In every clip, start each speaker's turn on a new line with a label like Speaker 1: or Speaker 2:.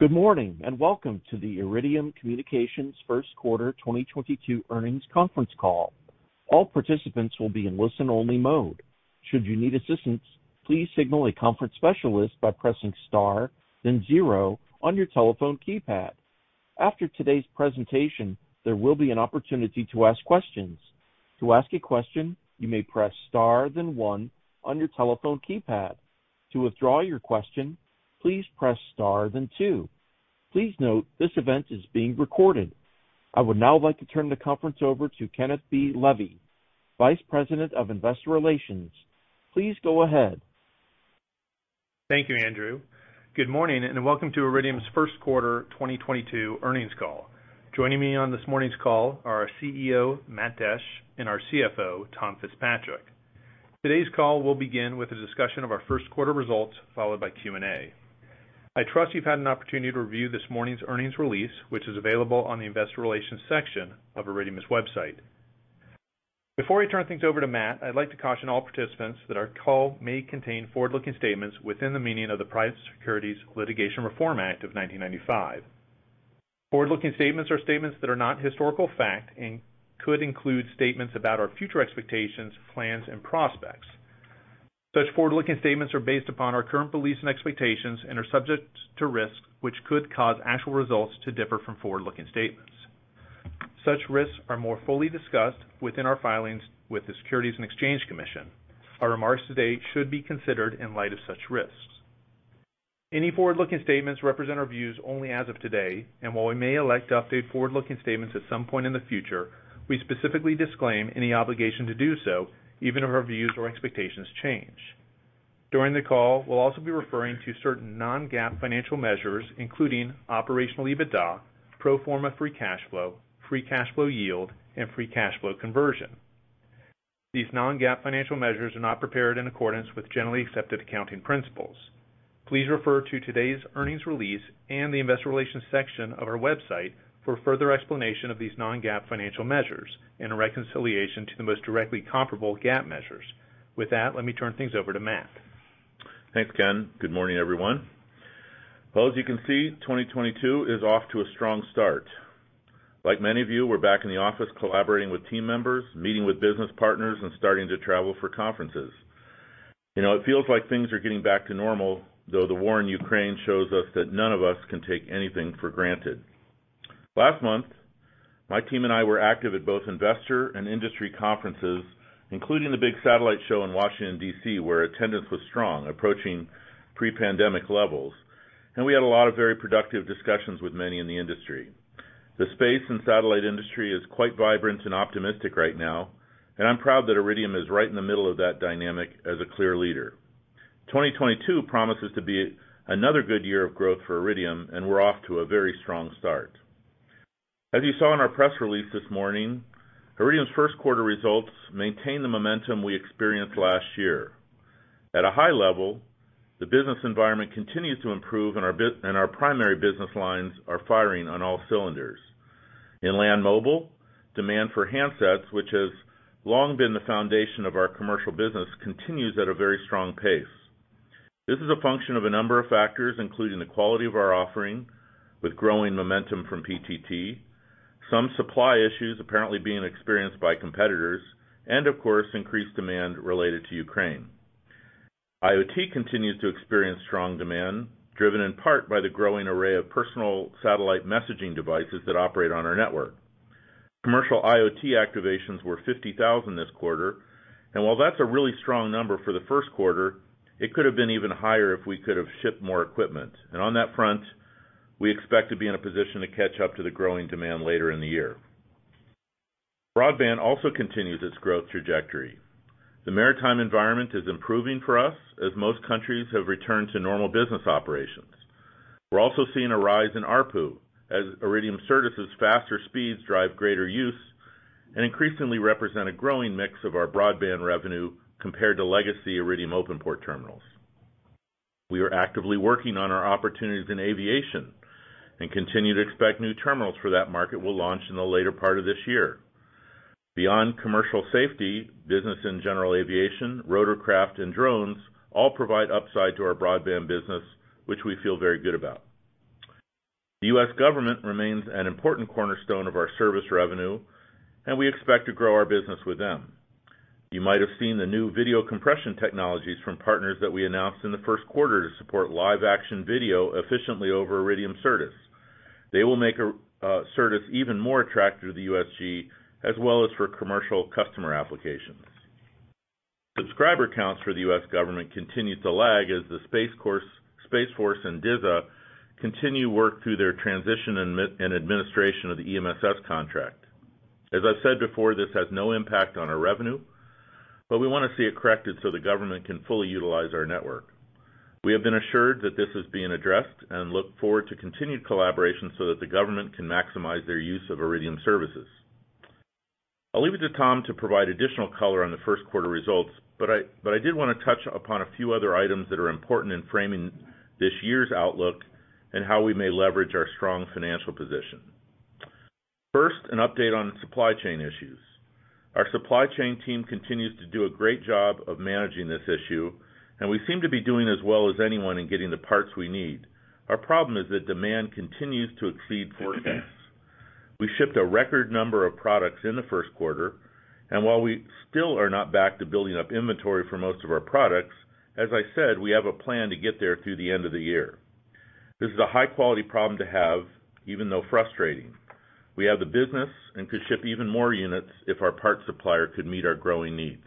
Speaker 1: Good morning, and welcome to the Iridium Communications Q1 2022 earnings conference call. All participants will be in listen-only mode. Should you need assistance, please signal a conference specialist by pressing *, then zero on your telephone keypad. After today's presentation, there will be an opportunity to ask questions. To ask a question, you may press Star then one on your telephone keypad. To withdraw your question, please press Star then two. Please note this event is being recorded. I would now like to turn the conference over to Kenneth B. Levy, Vice President of Investor Relations. Please go ahead.
Speaker 2: Thank you, Andrew. Good morning and welcome to Iridium's Q1 2022 earnings call. Joining me on this morning's call are our CEO, Matt Desch, and our CFO, Tom Fitzpatrick. Today's call will begin with a discussion of our Q1 results, followed by Q&A. I trust you've had an opportunity to review this morning's earnings release, which is available on the investor relations section of Iridium's website. Before I turn things over to Matt, I'd like to caution all participants that our call may contain forward-looking statements within the meaning of the Private Securities Litigation Reform Act of 1995. Forward-looking statements are statements that are not historical fact and could include statements about our future expectations, plans, and prospects. Such forward-looking statements are based upon our current beliefs and expectations and are subject to risks which could cause actual results to differ from forward-looking statements. Such risks are more fully discussed within our filings with the Securities and Exchange Commission. Our remarks today should be considered in light of such risks. Any forward-looking statements represent our views only as of today, and while we may elect to update forward-looking statements at some point in the future, we specifically disclaim any obligation to do so, even if our views or expectations change. During the call, we'll also be referring to certain non-GAAP financial measures, including operational EBITDA, pro forma free cash flow, free cash flow yield, and free cash flow conversion. These non-GAAP financial measures are not prepared in accordance with generally accepted accounting principles. Please refer to today's earnings release and the investor relations section of our website for further explanation of these non-GAAP financial measures and a reconciliation to the most directly comparable GAAP measures. With that, let me turn things over to Matt.
Speaker 3: Thanks, Ken. Good morning, everyone. Well, as you can see, 2022 is off to a strong start. Like many of you, we're back in the office collaborating with team members, meeting with business partners, and starting to travel for conferences. You know, it feels like things are getting back to normal, though the war in Ukraine shows us that none of us can take anything for granted. Last month, my team and I were active at both investor and industry conferences, including the big satellite show in Washington, D.C., where attendance was strong, approaching pre-pandemic levels, and we had a lot of very productive discussions with many in the industry. The space and satellite industry is quite vibrant and optimistic right now, and I'm proud that Iridium is right in the middle of that dynamic as a clear leader. 2022 promises to be another good year of growth for Iridium, and we're off to a very strong start. As you saw in our press release this morning, Iridium's Q1 results maintain the momentum we experienced last year. At a high level, the business environment continues to improve and our primary business lines are firing on all cylinders. In land mobile, demand for handsets, which has long been the foundation of our commercial business, continues at a very strong pace. This is a function of a number of factors, including the quality of our offering with growing momentum from PTT, some supply issues apparently being experienced by competitors, and of course, increased demand related to Ukraine. IoT continues to experience strong demand, driven in part by the growing array of personal satellite messaging devices that operate on our network. Commercial IoT activations were 50,000 this quarter, and while that's a really strong number for the Q1, it could have been even higher if we could have shipped more equipment. On that front, we expect to be in a position to catch up to the growing demand later in the year. Broadband also continues its growth trajectory. The maritime environment is improving for us as most countries have returned to normal business operations. We're also seeing a rise in ARPU as Iridium services' faster speeds drive greater use and increasingly represent a growing mix of our broadband revenue compared to legacy Iridium OpenPort terminals. We are actively working on our opportunities in aviation and continue to expect new terminals for that market will launch in the later part of this year. Beyond commercial safety, business and general aviation, rotorcraft, and drones all provide upside to our broadband business, which we feel very good about. The U.S. government remains an important cornerstone of our service revenue, and we expect to grow our business with them. You might have seen the new video compression technologies from partners that we announced in the Q1 to support live-action video efficiently over Iridium Certus. They will make Certus even more attractive to the USG as well as for commercial customer applications. Subscriber counts for the U.S. government continues to lag as the Space Force and DISA continue work through their transition and administration of the EMSS contract. As I've said before, this has no impact on our revenue, but we want to see it corrected so the government can fully utilize our network. We have been assured that this is being addressed and look forward to continued collaboration so that the government can maximize their use of Iridium services. I'll leave it to Tom to provide additional color on the Q1 results, but I did wanna touch upon a few other items that are important in framing this year's outlook and how we may leverage our strong financial position. First, an update on supply chain issues. Our supply chain team continues to do a great job of managing this issue, and we seem to be doing as well as anyone in getting the parts we need. Our problem is that demand continues to exceed forecast. We shipped a record number of products in the Q1, and while we still are not back to building up inventory for most of our products, as I said, we have a plan to get there through the end of the year. This is a high quality problem to have, even though frustrating. We have the business and could ship even more units if our parts supplier could meet our growing needs.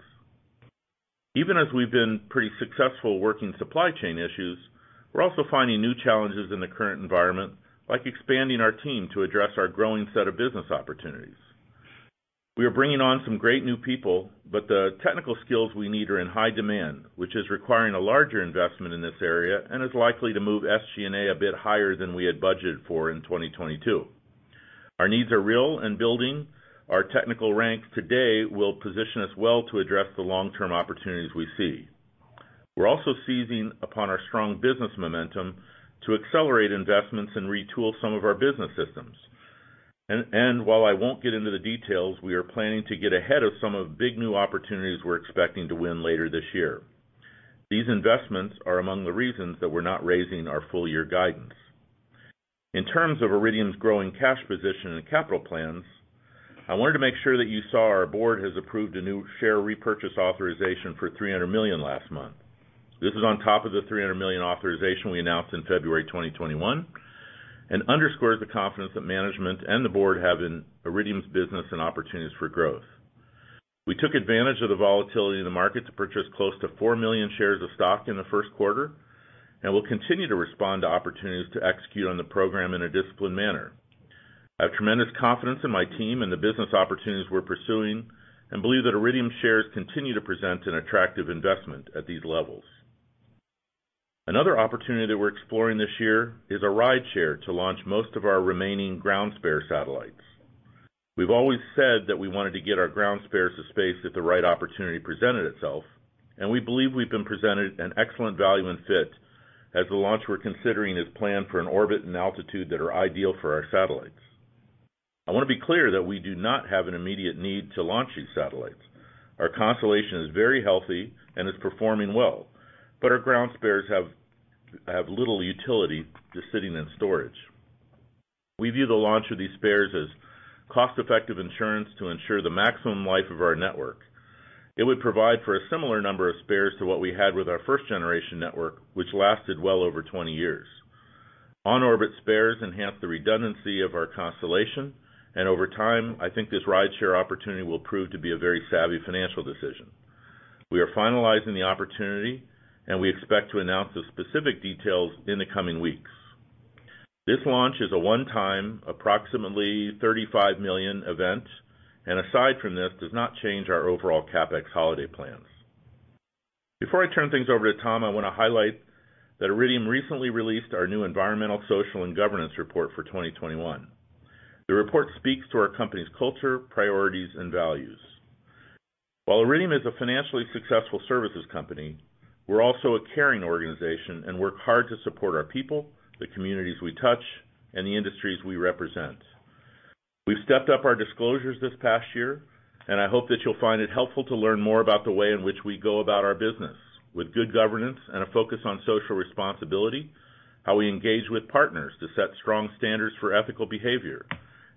Speaker 3: Even as we've been pretty successful working supply chain issues, we're also finding new challenges in the current environment, like expanding our team to address our growing set of business opportunities. We are bringing on some great new people, but the technical skills we need are in high demand, which is requiring a larger investment in this area and is likely to move SG&A a bit higher than we had budgeted for in 2022. Our needs are real and building. Our technical rank today will position us well to address the long-term opportunities we see. We're also seizing upon our strong business momentum to accelerate investments and retool some of our business systems. While I won't get into the details, we are planning to get ahead of some of the big new opportunities we're expecting to win later this year. These investments are among the reasons that we're not raising our full year guidance. In terms of Iridium's growing cash position and capital plans, I wanted to make sure that you saw our board has approved a new share repurchase authorization for $300 million last month. This is on top of the $300 million authorization we announced in February 2021 and underscores the confidence that management and the board have in Iridium's business and opportunities for growth. We took advantage of the volatility in the market to purchase close to 4 million shares of stock in the Q1, and we'll continue to respond to opportunities to execute on the program in a disciplined manner. I have tremendous confidence in my team and the business opportunities we're pursuing and believe that Iridium shares continue to present an attractive investment at these levels. Another opportunity that we're exploring this year is a rideshare to launch most of our remaining ground spare satellites. We've always said that we wanted to get our ground spares to space if the right opportunity presented itself, and we believe we've been presented an excellent value and fit as the launch we're considering is planned for an orbit and altitude that are ideal for our satellites. I wanna be clear that we do not have an immediate need to launch these satellites. Our constellation is very healthy and is performing well, but our ground spares have little utility just sitting in storage. We view the launch of these spares as cost-effective insurance to ensure the maximum life of our network. It would provide for a similar number of spares to what we had with our first-generation network, which lasted well over 20 years. On-orbit spares enhance the redundancy of our constellation, and over time, I think this rideshare opportunity will prove to be a very savvy financial decision. We are finalizing the opportunity, and we expect to announce the specific details in the coming weeks. This launch is a one-time, approximately $35 million event, and aside from this, does not change our overall CapEx holiday plans. Before I turn things over to Tom, I wanna highlight that Iridium recently released our new environmental, social, and governance report for 2021. The report speaks to our company's culture, priorities, and values. While Iridium is a financially successful services company, we're also a caring organization and work hard to support our people, the communities we touch, and the industries we represent. We've stepped up our disclosures this past year, and I hope that you'll find it helpful to learn more about the way in which we go about our business with good governance and a focus on social responsibility, how we engage with partners to set strong standards for ethical behavior,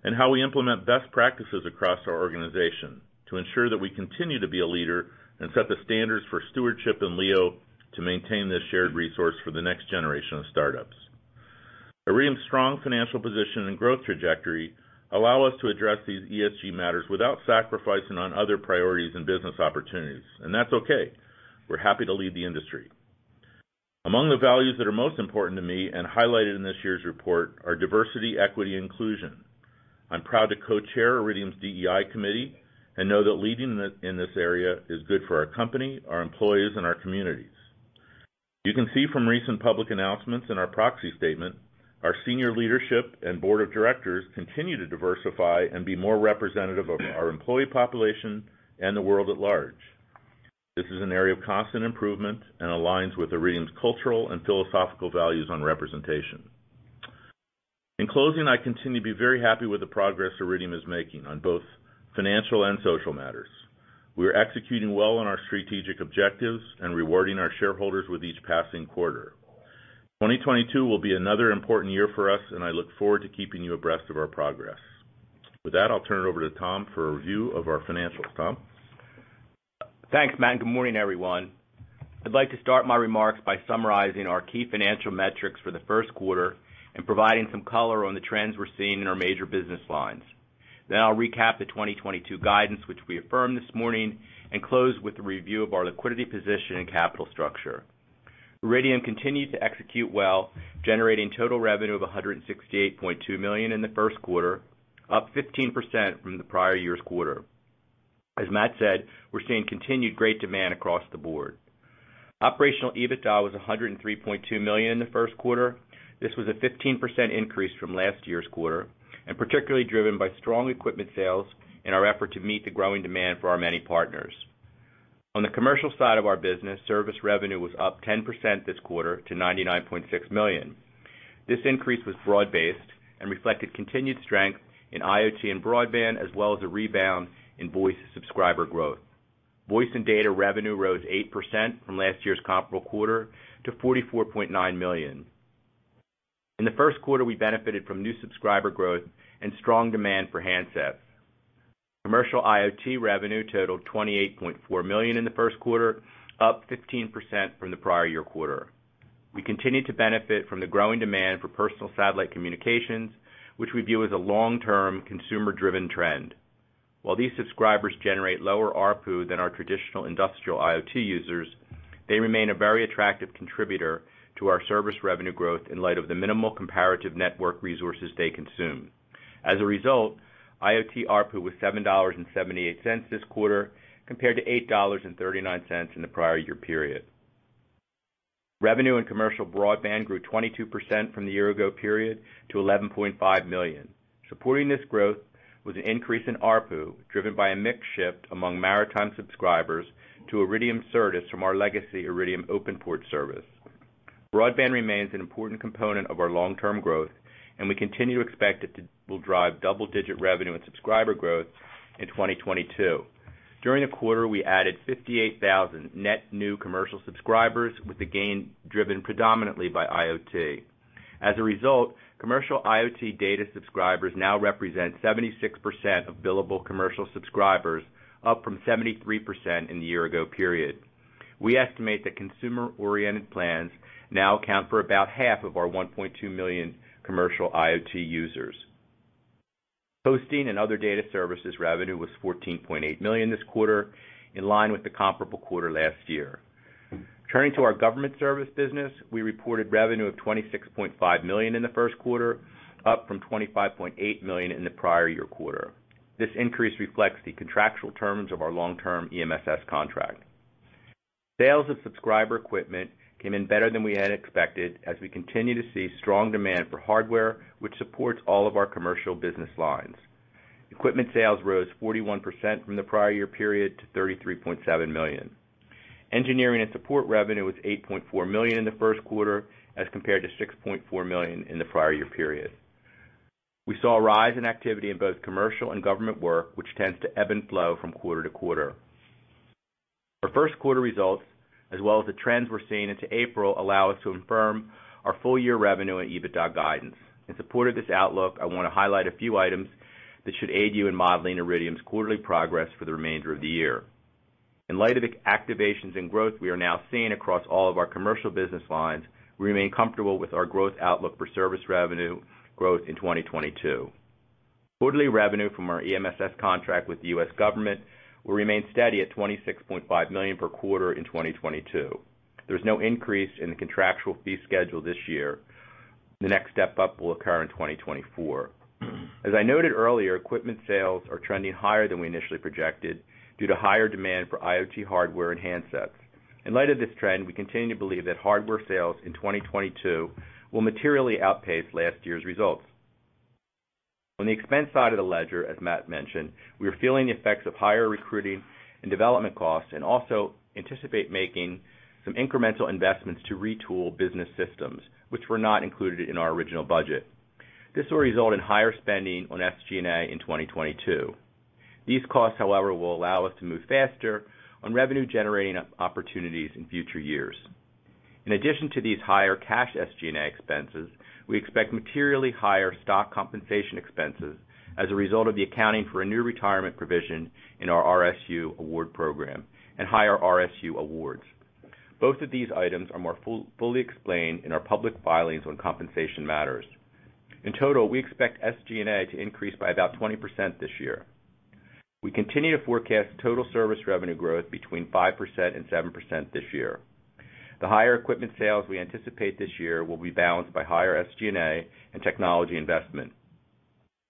Speaker 3: and how we implement best practices across our organization to ensure that we continue to be a leader and set the standards for stewardship and LEO to maintain this shared resource for the next generation of startups. Iridium's strong financial position and growth trajectory allow us to address these ESG matters without sacrificing on other priorities and business opportunities, and that's okay. We're happy to lead the industry. Among the values that are most important to me and highlighted in this year's report are diversity, equity, and inclusion. I'm proud to co-chair Iridium's DEI committee and know that leading in this area is good for our company, our employees, and our communities. You can see from recent public announcements in our proxy statement, our senior leadership and board of directors continue to diversify and be more representative of our employee population and the world at large. This is an area of constant improvement and aligns with Iridium's cultural and philosophical values on representation. In closing, I continue to be very happy with the progress Iridium is making on both financial and social matters. We are executing well on our strategic objectives and rewarding our shareholders with each passing quarter. 2022 will be another important year for us, and I look forward to keeping you abreast of our progress. With that, I'll turn it over to Tom for a review of our financials. Tom?
Speaker 4: Thanks, Matt. Good morning, everyone. I'd like to start my remarks by summarizing our key financial metrics for the Q1 and providing some color on the trends we're seeing in our major business lines. I'll recap the 2022 guidance, which we affirmed this morning, and close with a review of our liquidity position and capital structure. Iridium continued to execute well, generating total revenue of $168.2 million in the Q1, up 15% from the prior year's quarter. As Matt said, we're seeing continued great demand across the board. Operational EBITDA was $103.2 million in the Q1. This was a 15% increase from last year's quarter, and particularly driven by strong equipment sales and our effort to meet the growing demand for our many partners. On the commercial side of our business, service revenue was up 10% this quarter to $99.6 million. This increase was broad-based and reflected continued strength in IoT and broadband, as well as a rebound in voice subscriber growth. Voice and data revenue rose 8% from last year's comparable quarter to $44.9 million. In the Q1, we benefited from new subscriber growth and strong demand for handsets. Commercial IoT revenue totaled $28.4 million in the Q1, up 15% from the prior year quarter. We continue to benefit from the growing demand for personal satellite communications, which we view as a long-term consumer-driven trend. While these subscribers generate lower ARPU than our traditional industrial IoT users, they remain a very attractive contributor to our service revenue growth in light of the minimal comparative network resources they consume. As a result, IoT ARPU was $7.78 this quarter, compared to $8.39 in the prior year period. Revenue in commercial broadband grew 22% from the year ago period to $11.5 million. Supporting this growth was an increase in ARPU, driven by a mix shift among maritime subscribers to Iridium Certus from our legacy Iridium OpenPort service. Broadband remains an important component of our long-term growth, and we continue to expect it will drive double-digit revenue and subscriber growth in 2022. During the quarter, we added 58,000 net new commercial subscribers, with the gain driven predominantly by IoT. As a result, commercial IoT data subscribers now represent 76% of billable commercial subscribers, up from 73% in the year ago period. We estimate that consumer-oriented plans now account for about half of our 1.2 million commercial IoT users. Hosting and other data services revenue was $14.8 million this quarter, in line with the comparable quarter last year. Turning to our government service business, we reported revenue of $26.5 million in the Q1, up from $25.8 million in the prior year quarter. This increase reflects the contractual terms of our long-term EMSS contract. Sales of subscriber equipment came in better than we had expected as we continue to see strong demand for hardware, which supports all of our commercial business lines. Equipment sales rose 41% from the prior year period to $33.7 million. Engineering and support revenue was $8.4 million in the Q1 as compared to $6.4 million in the prior year period. We saw a rise in activity in both commercial and government work, which tends to ebb and flow from quarter to quarter. Our Q1 results, as well as the trends we're seeing into April, allow us to affirm our full year revenue and EBITDA guidance. In support of this outlook, I want to highlight a few items that should aid you in modeling Iridium's quarterly progress for the remainder of the year. In light of the activations and growth we are now seeing across all of our commercial business lines, we remain comfortable with our growth outlook for service revenue growth in 2022. Quarterly revenue from our EMSS contract with the U.S. government will remain steady at $26.5 million per quarter in 2022. There's no increase in the contractual fee schedule this year. The next step up will occur in 2024. As I noted earlier, equipment sales are trending higher than we initially projected due to higher demand for IoT hardware and handsets. In light of this trend, we continue to believe that hardware sales in 2022 will materially outpace last year's results. On the expense side of the ledger, as Matt mentioned, we are feeling the effects of higher recruiting and development costs and also anticipate making some incremental investments to retool business systems which were not included in our original budget. This will result in higher spending on SG&A in 2022. These costs, however, will allow us to move faster on revenue-generating opportunities in future years. In addition to these higher cash SG&A expenses, we expect materially higher stock compensation expenses as a result of the accounting for a new retirement provision in our RSU award program and higher RSU awards. Both of these items are more fully explained in our public filings on compensation matters. In total, we expect SG&A to increase by about 20% this year. We continue to forecast total service revenue growth between 5% and 7% this year. The higher equipment sales we anticipate this year will be balanced by higher SG&A and technology investment.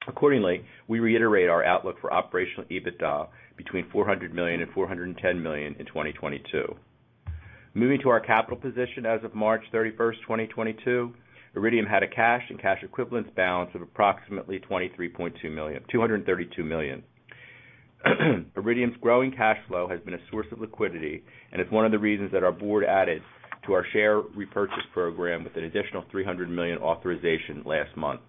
Speaker 4: Accordingly, we reiterate our outlook for operational EBITDA between $400 million and $410 million in 2022. Moving to our capital position as of March 31, 2022, Iridium had a cash and cash equivalents balance of approximately $232 million. Iridium's growing cash flow has been a source of liquidity, and it's one of the reasons that our board added to our share repurchase program with an additional $300 million authorization last month.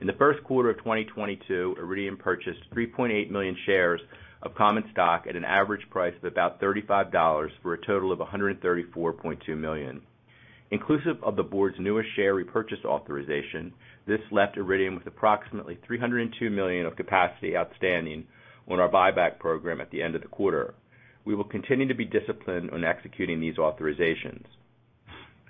Speaker 4: In the Q1 of 2022, Iridium purchased 3.8 million shares of common stock at an average price of about $35 for a total of $134.2 million. Inclusive of the board's newest share repurchase authorization, this left Iridium with approximately $302 million of capacity outstanding on our buyback program at the end of the quarter. We will continue to be disciplined on executing these authorizations.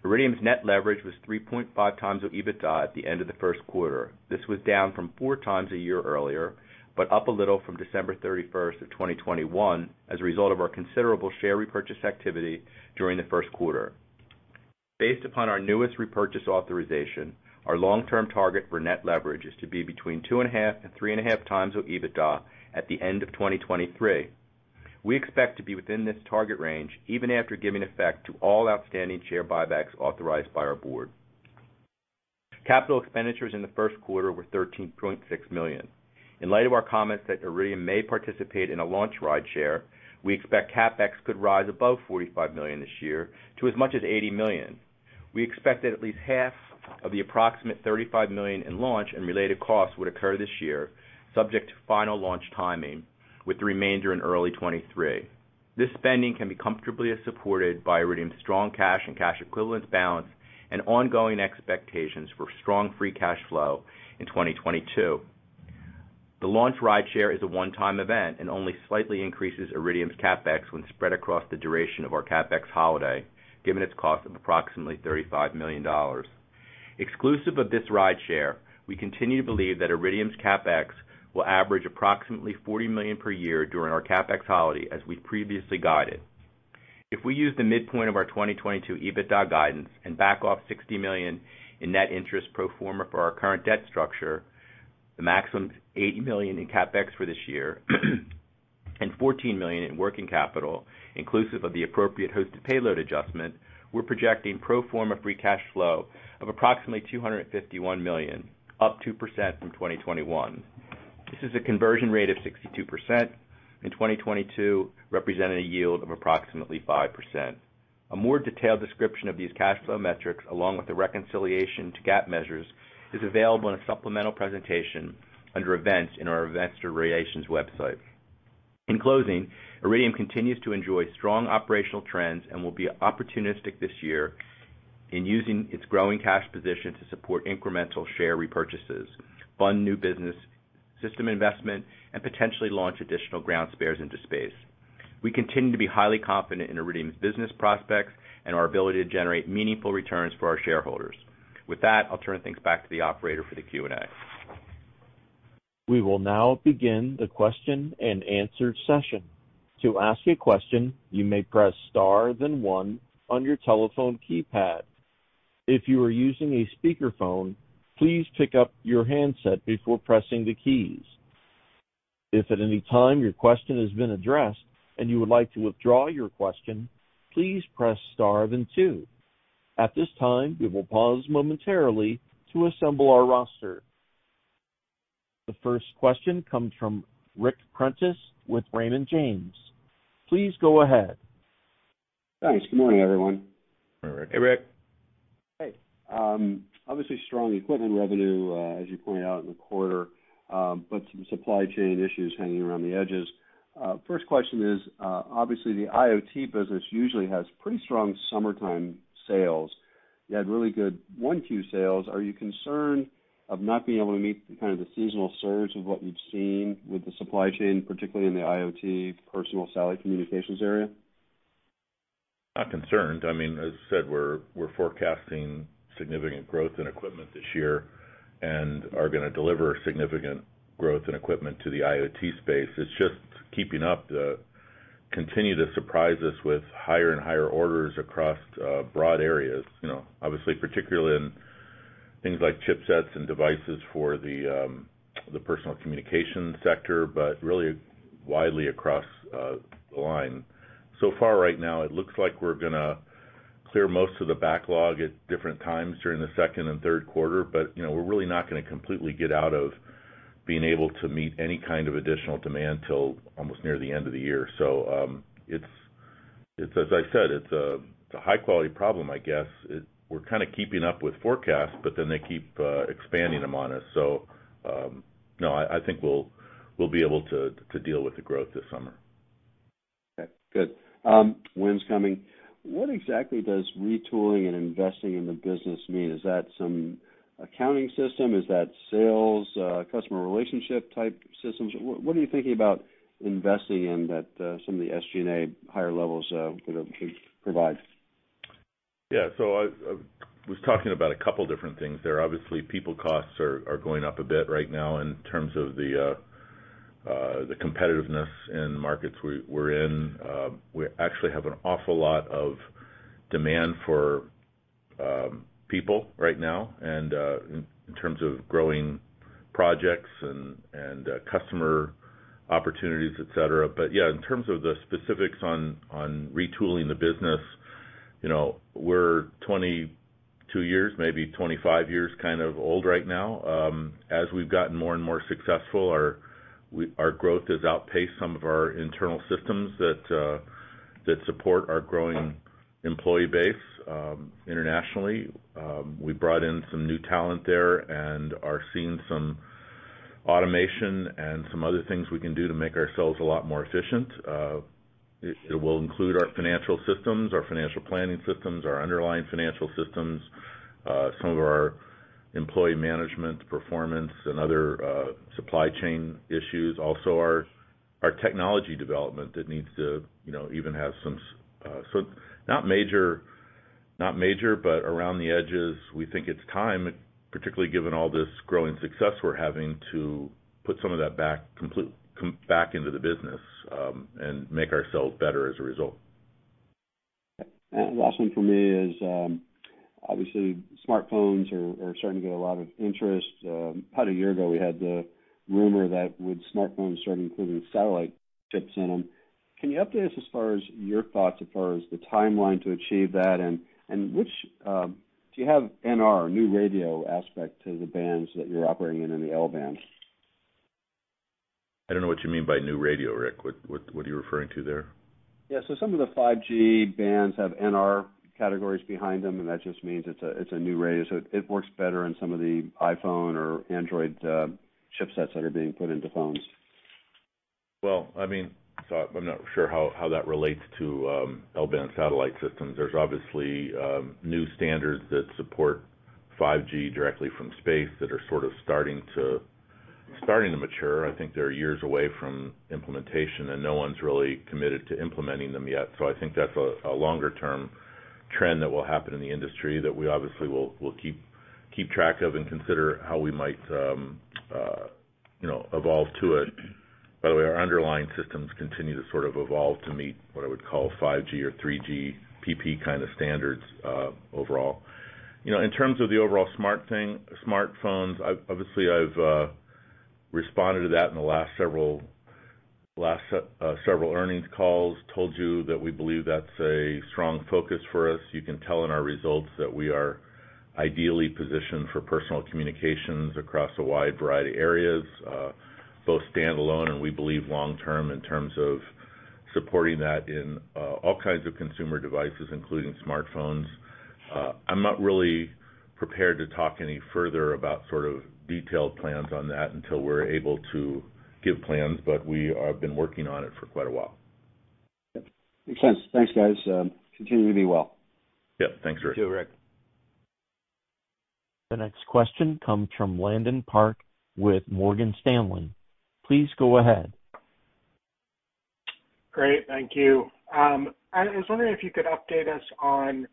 Speaker 4: Iridium's net leverage was 3.5 times of EBITDA at the end of the Q1. This was down from 4 times a year earlier, but up a little from December 31, 2021 as a result of our considerable share repurchase activity during the Q1. Based upon our newest repurchase authorization, our long-term target for net leverage is to be between 2.5-3.5 times of EBITDA at the end of 2023. We expect to be within this target range even after giving effect to all outstanding share buybacks authorized by our board.
Speaker 3: Capital expenditures in the Q1 were $13.6 million. In light of our comments that Iridium may participate in a launch rideshare, we expect CapEx could rise above $45 million this year to as much as $80 million. We expect that at least half of the approximate $35 million in launch and related costs would occur this year, subject to final launch timing, with the remainder in early 2023. This spending can be comfortably supported by Iridium's strong cash and cash equivalents balance and ongoing expectations for strong free cash flow in 2022. The launch rideshare is a one-time event and only slightly increases Iridium's CapEx when spread across the duration of our CapEx holiday, given its cost of approximately $35 million. Exclusive of this rideshare, we continue to believe that Iridium's CapEx will average approximately $40 million per year during our CapEx holiday, as we've previously guided. If we use the midpoint of our 2022 EBITDA guidance and back off $60 million in net interest pro forma for our current debt structure, the maximum $80 million in CapEx for this year and $14 million in working capital, inclusive of the appropriate host to payload adjustment, we're projecting pro forma free cash flow of approximately $251 million, up 2% from 2021. This is a conversion rate of 62% in 2022, representing a yield of approximately 5%. A more detailed description of these cash flow metrics, along with the reconciliation to GAAP measures, is available in a supplemental presentation under Events in our Investor Relations website. In closing, Iridium continues to enjoy strong operational trends and will be opportunistic this year in using its growing cash position to support incremental share repurchases, fund new business system investment, and potentially launch additional ground spares into space. We continue to be highly confident in Iridium's business prospects and our ability to generate meaningful returns for our shareholders. With that, I'll turn things back to the operator for the Q&A.
Speaker 1: We will now begin the question-and-answer session. To ask a question, you may press star then one on your telephone keypad. If you are using a speakerphone, please pick up your handset before pressing the keys. If at any time your question has been addressed and you would like to withdraw your question, please press star then two. At this time, we will pause momentarily to assemble our roster. The first question comes from Ric Prentiss with Raymond James. Please go ahead.
Speaker 5: Thanks. Good morning, everyone.
Speaker 3: Hi, Rick.
Speaker 4: Hey, Ric.
Speaker 5: Hey. Obviously strong equipment revenue, as you pointed out in the quarter, but some supply chain issues hanging around the edges. First question is, obviously the IoT business usually has pretty strong summertime sales. You had really good 1Q sales. Are you concerned of not being able to meet kind of the seasonal surge of what you've seen with the supply chain, particularly in the IoT personal satellite communications area?
Speaker 3: Not concerned. I mean, as I said, we're forecasting significant growth in equipment this year and are gonna deliver significant growth in equipment to the IoT space. It's just continue to surprise us with higher and higher orders across broad areas. You know, obviously, particularly in things like chipsets and devices for the personal communication sector, but really widely across the line. So far right now, it looks like we're gonna clear most of the backlog at different times during the second and Q3, but you know, we're really not gonna completely get out of being able to meet any kind of additional demand till almost near the end of the year. It's, as I said, it's a high-quality problem, I guess. We're kind of keeping up with forecasts, but then they keep expanding them on us. No, I think we'll be able to deal with the growth this summer.
Speaker 5: Okay, good. What exactly does retooling and investing in the business mean? Is that some accounting system? Is that sales, customer relationship type systems? What are you thinking about investing in that some of the SG&A higher levels you know can provide?
Speaker 3: I was talking about a couple different things there. Obviously, people costs are going up a bit right now in terms of the competitiveness in the markets we're in. We actually have an awful lot of demand for people right now and in terms of growing projects and customer opportunities, et cetera. In terms of the specifics on retooling the business, you know, we're 22 years, maybe 25 years, kind of old right now. As we've gotten more and more successful, our growth has outpaced some of our internal systems that support our growing employee base internationally. We brought in some new talent there and are seeing some automation and some other things we can do to make ourselves a lot more efficient. It will include our financial systems, our financial planning systems, our underlying financial systems, some of our employee management performance and other supply chain issues. Also, our technology development that needs to, you know, even have some. Not major, but around the edges, we think it's time, particularly given all this growing success we're having, to put some of that back into the business, and make ourselves better as a result.
Speaker 5: Okay. The last one from me is, obviously, smartphones are starting to get a lot of interest. About a year ago, we had the rumor that smartphones would start including satellite chips in them. Can you update us as far as your thoughts as far as the timeline to achieve that and which, do you have NR, new radio aspect to the bands that you're operating in the L-band?
Speaker 3: I don't know what you mean by New Radio, Ric. What are you referring to there?
Speaker 5: Yeah. Some of the 5G bands have NR categories behind them, and that just means it's a new radio. It works better in some of the iPhone or Android chipsets that are being put into phones.
Speaker 3: Well, I mean, I'm not sure how that relates to L-band satellite systems. There's obviously new standards that support 5G directly from space that are sort of starting to mature. I think they're years away from implementation, and no one's really committed to implementing them yet. I think that's a longer term trend that will happen in the industry that we obviously will keep track of and consider how we might, you know, evolve to it. By the way, our underlying systems continue to sort of evolve to meet what I would call 5G or 3GPP kind of standards overall. You know, in terms of the overall smartphones, I've obviously responded to that in the last several earnings calls. told you that we believe that's a strong focus for us. You can tell in our results that we are ideally positioned for personal communications across a wide variety of areas, both standalone and we believe long-term in terms of supporting that in all kinds of consumer devices, including smartphones. I'm not really prepared to talk any further about sort of detailed plans on that until we're able to give plans, but we have been working on it for quite a while.
Speaker 5: Makes sense. Thanks, guys. Continue to do well.
Speaker 3: Yeah. Thanks, Ric.
Speaker 4: You too, Ric.
Speaker 1: The next question comes from Landon Park with Morgan Stanley. Please go ahead.
Speaker 6: Great. Thank you. I was wondering if you could update us on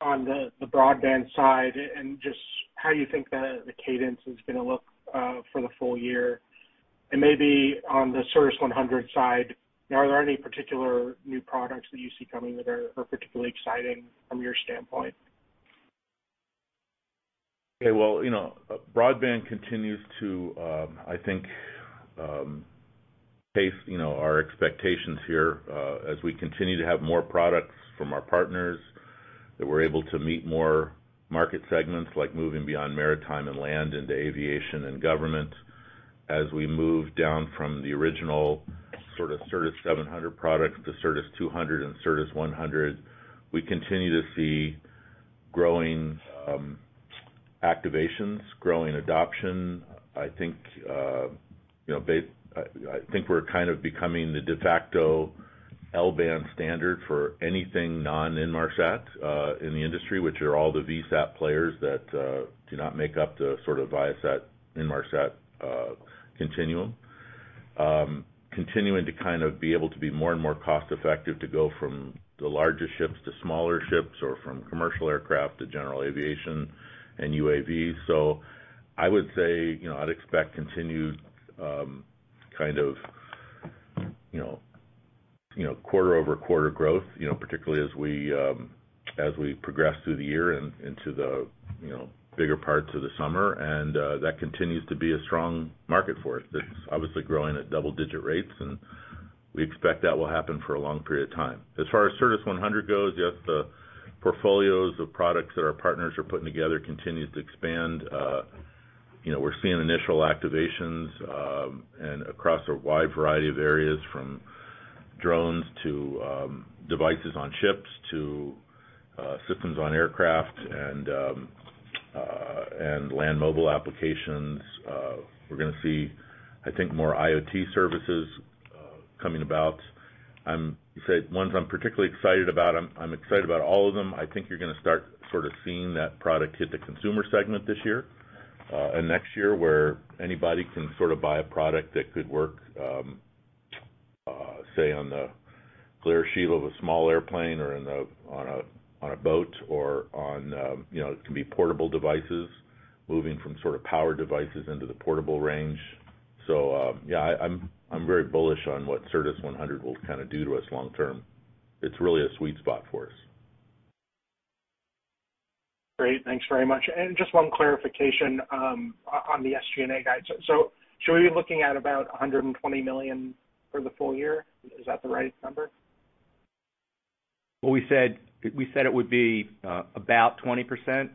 Speaker 6: the broadband side and just how you think the cadence is gonna look for the full year. Maybe on the Certus 100 side, are there any particular new products that you see coming that are particularly exciting from your standpoint?
Speaker 3: Okay. Well, you know, broadband continues to, I think, pace, you know, our expectations here, as we continue to have more products from our partners, that we're able to meet more market segments like moving beyond maritime and land into aviation and government. As we move down from the original sort of Certus 700 products to Certus 200 and Certus 100, we continue to see growing activations, growing adoption. I think, you know, I think we're kind of becoming the de facto L-band standard for anything non-Inmarsat in the industry, which are all the VSAT players that do not make up the sort of Viasat Inmarsat continuum. Continuing to kind of be able to be more and more cost effective to go from the larger ships to smaller ships or from commercial aircraft to general aviation and UAV. I would say, you know, I'd expect continued, kind of, you know, quarter-over-quarter growth, you know, particularly as we progress through the year and into the, you know, bigger parts of the summer. That continues to be a strong market for us that's obviously growing at double-digit rates, and we expect that will happen for a long period of time. As far as Certus 100 goes, yes, the portfolios of products that our partners are putting together continues to expand. You know, we're seeing initial activations and across a wide variety of areas from drones to devices on ships to systems on aircraft and land mobile applications. We're gonna see, I think, more IoT services coming about. You said ones I'm particularly excited about. I'm excited about all of them. I think you're gonna start sort of seeing that product hit the consumer segment this year and next year, where anybody can sort of buy a product that could work say on the glare shield of a small airplane or on a boat or on you know, it can be portable devices moving from sort of power devices into the portable range. I'm very bullish on what Certus 100 will kind of do to us long term. It's really a sweet spot for us.
Speaker 6: Great. Thanks very much. Just one clarification, on the SG&A guide. Should we be looking at about $120 million for the full year? Is that the right number?
Speaker 4: Well, we said it would be about 20%.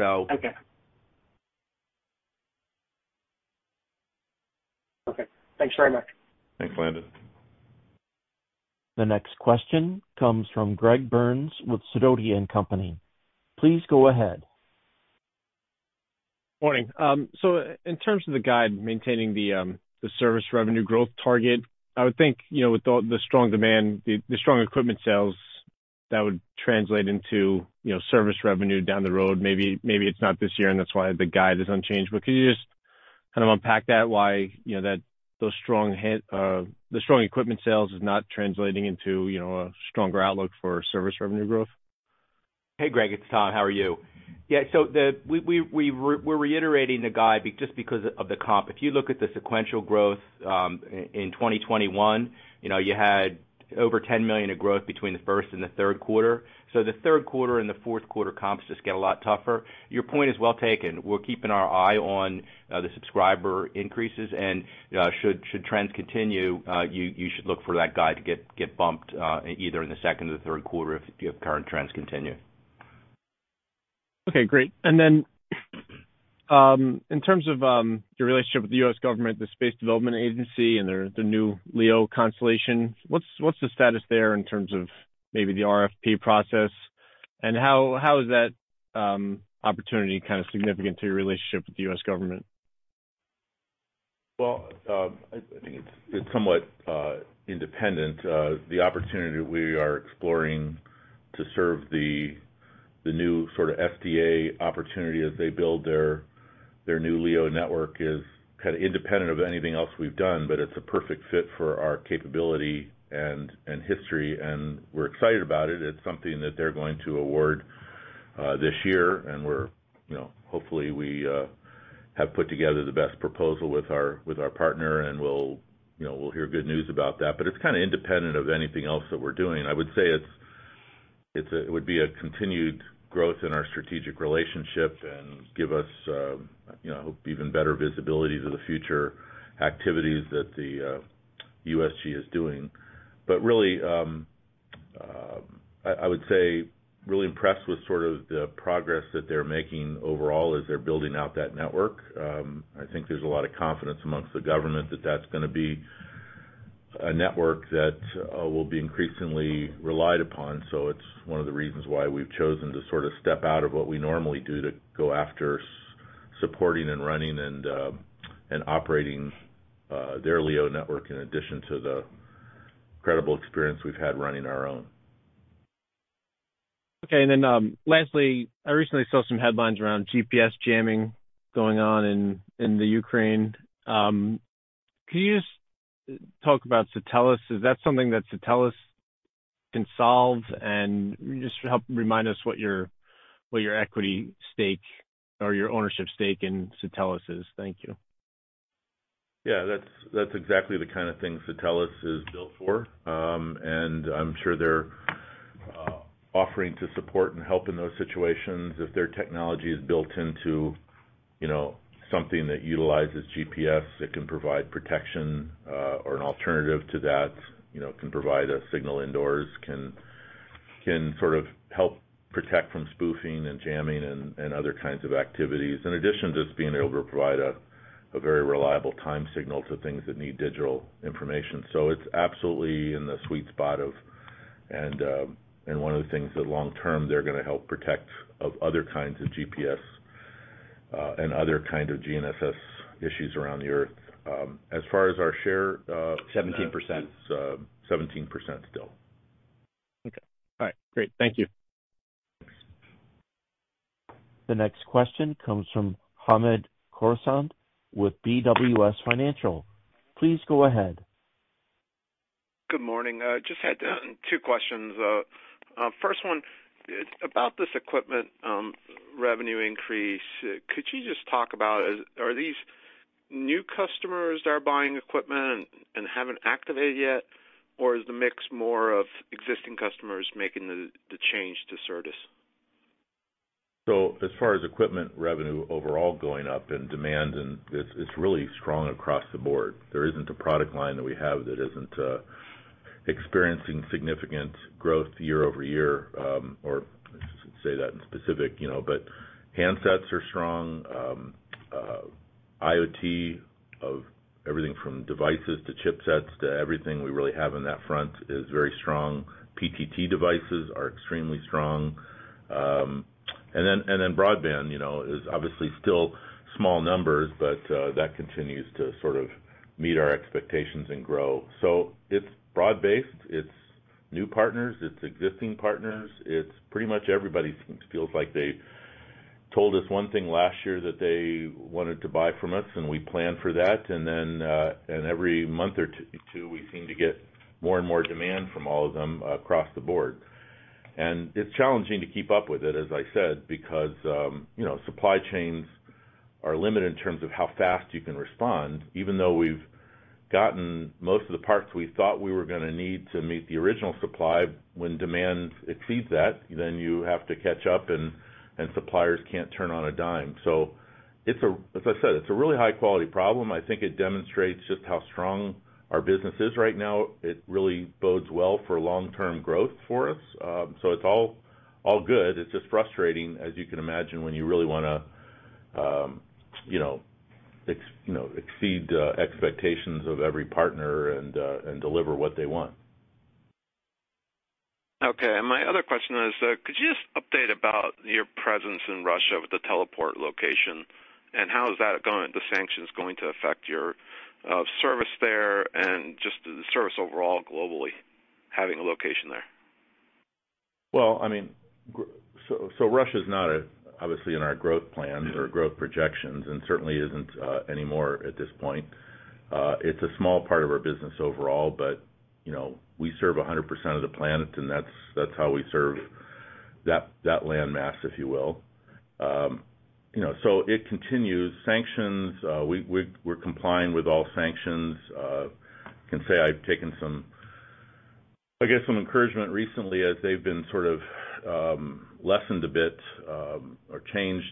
Speaker 6: Okay. Thanks very much.
Speaker 3: Thanks, Landon.
Speaker 1: The next question comes from Greg Burns with Sidoti & Company. Please go ahead.
Speaker 7: Morning. So in terms of the guide maintaining the service revenue growth target, I would think, you know, with all the strong demand, the strong equipment sales that would translate into, you know, service revenue down the road, maybe it's not this year, and that's why the guide is unchanged. Could you just kind of unpack that why, you know, those strong equipment sales is not translating into, you know, a stronger outlook for service revenue growth?
Speaker 4: Hey, Greg, it's Tom. How are you? Yeah. We're reiterating the guide just because of the comp. If you look at the sequential growth in 2021, you know, you had Over 10 million of growth between the first and the Q3. The Q3 and the Q4 comps just get a lot tougher. Your point is well taken. We're keeping our eye on the subscriber increases. Should trends continue, you should look for that guide to get bumped either in the second or Q3 if current trends continue.
Speaker 7: Okay, great. In terms of your relationship with the U.S. government, the Space Development Agency, and their new LEO constellation, what's the status there in terms of maybe the RFP process? How is that opportunity kind of significant to your relationship with the U.S. government?
Speaker 3: I think it's somewhat independent. The opportunity we are exploring to serve the new sort of SDA opportunity as they build their new LEO network is kind of independent of anything else we've done, but it's a perfect fit for our capability and history, and we're excited about it. It's something that they're going to award this year. Hopefully we have put together the best proposal with our partner, and we'll hear good news about that. It's kind of independent of anything else that we're doing. I would say it would be a continued growth in our strategic relationship and give us even better visibility to the future activities that the USG is doing. Really, I would say really impressed with sort of the progress that they're making overall as they're building out that network. I think there's a lot of confidence among the government that that's gonna be a network that will be increasingly relied upon. It's one of the reasons why we've chosen to sort of step out of what we normally do to go after supporting and running and operating their LEO network in addition to the incredible experience we've had running our own.
Speaker 7: Okay. Lastly, I recently saw some headlines around GPS jamming going on in the Ukraine. Can you just talk about Satelles? Is that something that Satelles can solve? Just help remind us what your equity stake or your ownership stake in Satelles is. Thank you.
Speaker 3: Yeah, that's exactly the kind of thing Satelles is built for. I'm sure they're offering to support and help in those situations. If their technology is built into, you know, something that utilizes GPS, it can provide protection or an alternative to that, you know, can provide a signal indoors, can sort of help protect from spoofing and jamming and other kinds of activities. In addition to just being able to provide a very reliable time signal to things that need digital information. It's absolutely in the sweet spot of and one of the things that long-term, they're gonna help protect of other kinds of GPS and other kind of GNSS issues around the earth. As far as our share,
Speaker 4: 17%.
Speaker 3: It's 17% still.
Speaker 7: Okay. All right, great. Thank you.
Speaker 4: Thanks.
Speaker 1: The next question comes from Hamed Khorsand with BWS Financial. Please go ahead.
Speaker 8: Good morning. I just had two questions. First one is about this equipment revenue increase. Could you just talk about are these new customers that are buying equipment and haven't activated yet? Or is the mix more of existing customers making the change to Certus?
Speaker 3: As far as equipment revenue overall going up and demand, it's really strong across the board. There isn't a product line that we have that isn't experiencing significant growth year over year, or I should say that in specific, you know. But handsets are strong. IoT of everything from devices to chipsets to everything we really have in that front is very strong. PTT devices are extremely strong. And then broadband, you know, is obviously still small numbers, but that continues to sort of meet our expectations and grow. It's broad-based. It's new partners. It's existing partners. It's pretty much everybody feels like they told us one thing last year that they wanted to buy from us, and we planned for that. Every month or two, we seem to get more and more demand from all of them across the board. It's challenging to keep up with it, as I said, because, you know, supply chains are limited in terms of how fast you can respond. Even though we've gotten most of the parts we thought we were gonna need to meet the original supply, when demand exceeds that, then you have to catch up and suppliers can't turn on a dime. It's a really high-quality problem, as I said. I think it demonstrates just how strong our business is right now. It really bodes well for long-term growth for us. It's all good. It's just frustrating, as you can imagine, when you really wanna, you know, exceed expectations of every partner and deliver what they want.
Speaker 8: Okay. My other question is, could you just update about your presence in Russia with the teleport location, and how is that going, the sanctions going to affect your service there and just the service overall globally, having a location there?
Speaker 3: Well, I mean, so Russia is not, obviously, in our growth plans or growth projections and certainly isn't anymore at this point. It's a small part of our business overall, but, you know, we serve 100% of the planet, and that's how we serve that landmass, if you will. You know, it continues. Sanctions, we're complying with all sanctions. I can say I've taken some, I guess, encouragement recently as they've been sort of lessened a bit, or changed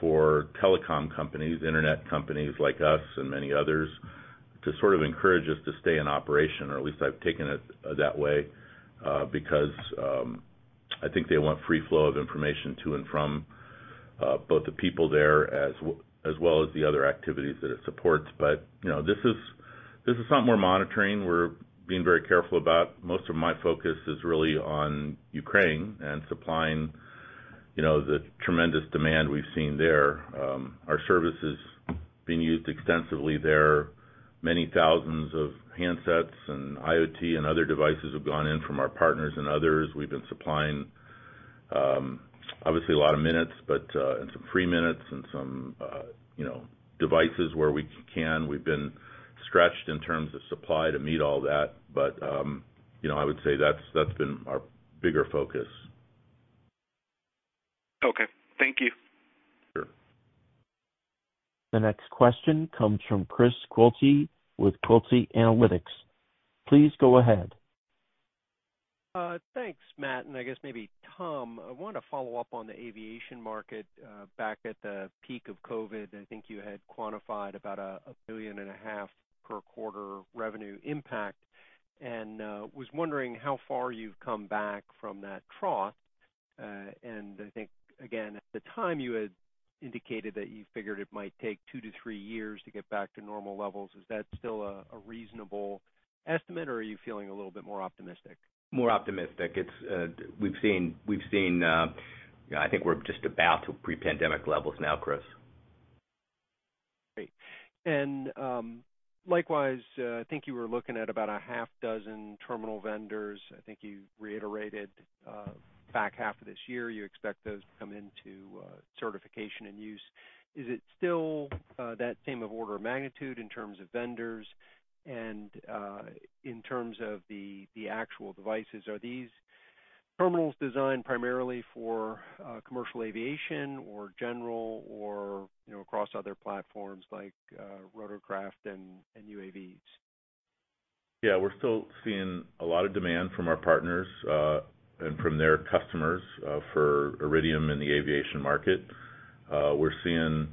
Speaker 3: for telecom companies, internet companies like us and many others, to sort of encourage us to stay in operation or at least I've taken it that way, because I think they want free flow of information to and from, both the people there as well as the other activities that it supports. You know, this is something we're monitoring, we're being very careful about. Most of my focus is really on Ukraine and supplying, you know, the tremendous demand we've seen there. Our service is being used extensively there. Many thousands of handsets and IoT and other devices have gone in from our partners and others. We've been supplying, obviously a lot of minutes, but, and some free minutes and some, you know, devices where we can. We've been stretched in terms of supply to meet all that. You know, I would say that's been our bigger focus.
Speaker 8: Okay. Thank you.
Speaker 3: Sure.
Speaker 1: The next question comes from Chris Quilty with Quilty Analytics. Please go ahead.
Speaker 9: Thanks, Matt, and I guess maybe Tom, I wanted to follow up on the aviation market. Back at the peak of COVID, I think you had quantified about $1.5 billion per quarter revenue impact, and was wondering how far you've come back from that trough. I think, again, at the time you had indicated that you figured it might take two to three years to get back to normal levels. Is that still a reasonable estimate, or are you feeling a little bit more optimistic?
Speaker 3: More optimistic. It's, we've seen, I think we're just about back to pre-pandemic levels now, Chris.
Speaker 9: Great. Likewise, I think you were looking at about a half dozen terminal vendors. I think you reiterated, back half of this year, you expect those to come into certification and use. Is it still that same order of magnitude in terms of vendors and in terms of the actual devices? Are these terminals designed primarily for commercial aviation or general or, you know, across other platforms like rotorcraft and UAVs?
Speaker 3: Yeah. We're still seeing a lot of demand from our partners, and from their customers, for Iridium in the aviation market. We're seeing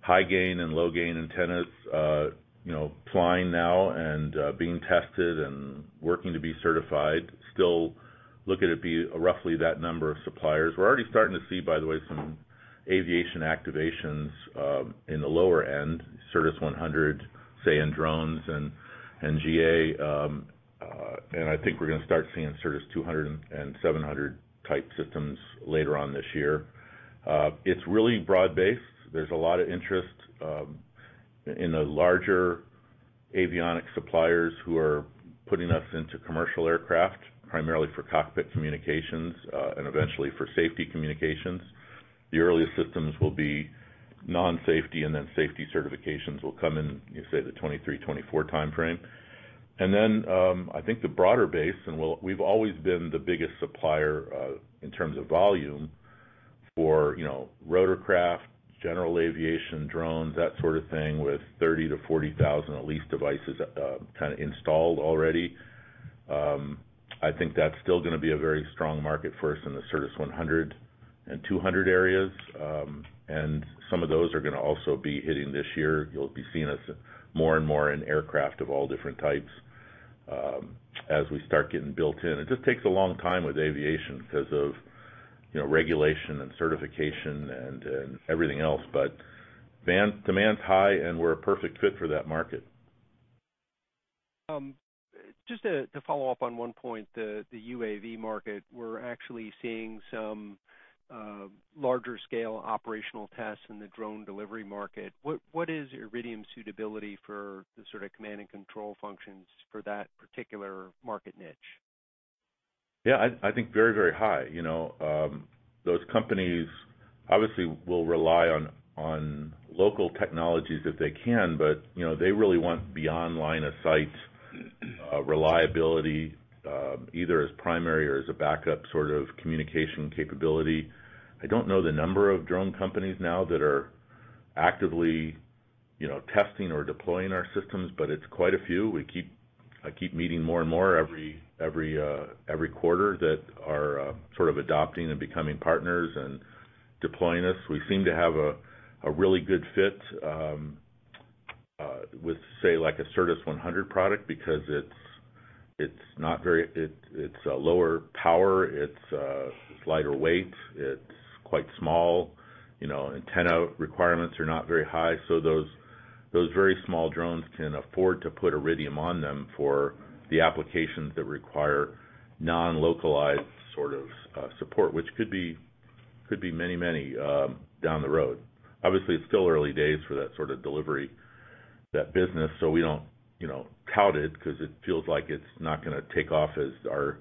Speaker 3: high-gain and low-gain antennas, you know, flying now and, being tested and working to be certified. Still look at it to be roughly that number of suppliers. We're already starting to see, by the way, some aviation activations, in the lower end, Certus 100, say, in drones and GA, and I think we're gonna start seeing Certus 200 and 700 type systems later on this year. It's really broad-based. There's a lot of interest, in the larger avionics suppliers who are putting us into commercial aircraft, primarily for cockpit communications, and eventually for safety communications. The earliest systems will be non-safety, and then safety certifications will come in, say, the 2023, 2024 timeframe. I think the broader base, and we've always been the biggest supplier in terms of volume for, you know, rotor craft, general aviation, drones, that sort of thing, with 30,000-40,000, at least, devices kind of installed already. I think that's still gonna be a very strong market for us in the Certus 100 and 200 areas. Some of those are gonna also be hitting this year. You'll be seeing us more and more in aircraft of all different types as we start getting built in. It just takes a long time with aviation because of, you know, regulation and certification and everything else. Demand's high, and we're a perfect fit for that market.
Speaker 9: Just to follow up on one point, the UAV market, we're actually seeing some larger scale operational tests in the drone delivery market. What is Iridium's suitability for the sort of command and control functions for that particular market niche?
Speaker 3: Yeah, I think very, very high. You know, those companies obviously will rely on local technologies if they can, but you know, they really want the line of sight reliability, either as primary or as a backup sort of communication capability. I don't know the number of drone companies now that are actively, you know, testing or deploying our systems, but it's quite a few. I keep meeting more and more every quarter that are sort of adopting and becoming partners and deploying us. We seem to have a really good fit with, say, like a Certus 100 product because it's a lower power, it's lighter weight, it's quite small. You know, antenna requirements are not very high. Those very small drones can afford to put Iridium on them for the applications that require non-localized sort of support, which could be many down the road. Obviously, it's still early days for that sort of delivery, that business, so we don't you know tout it 'cause it feels like it's not gonna take off as our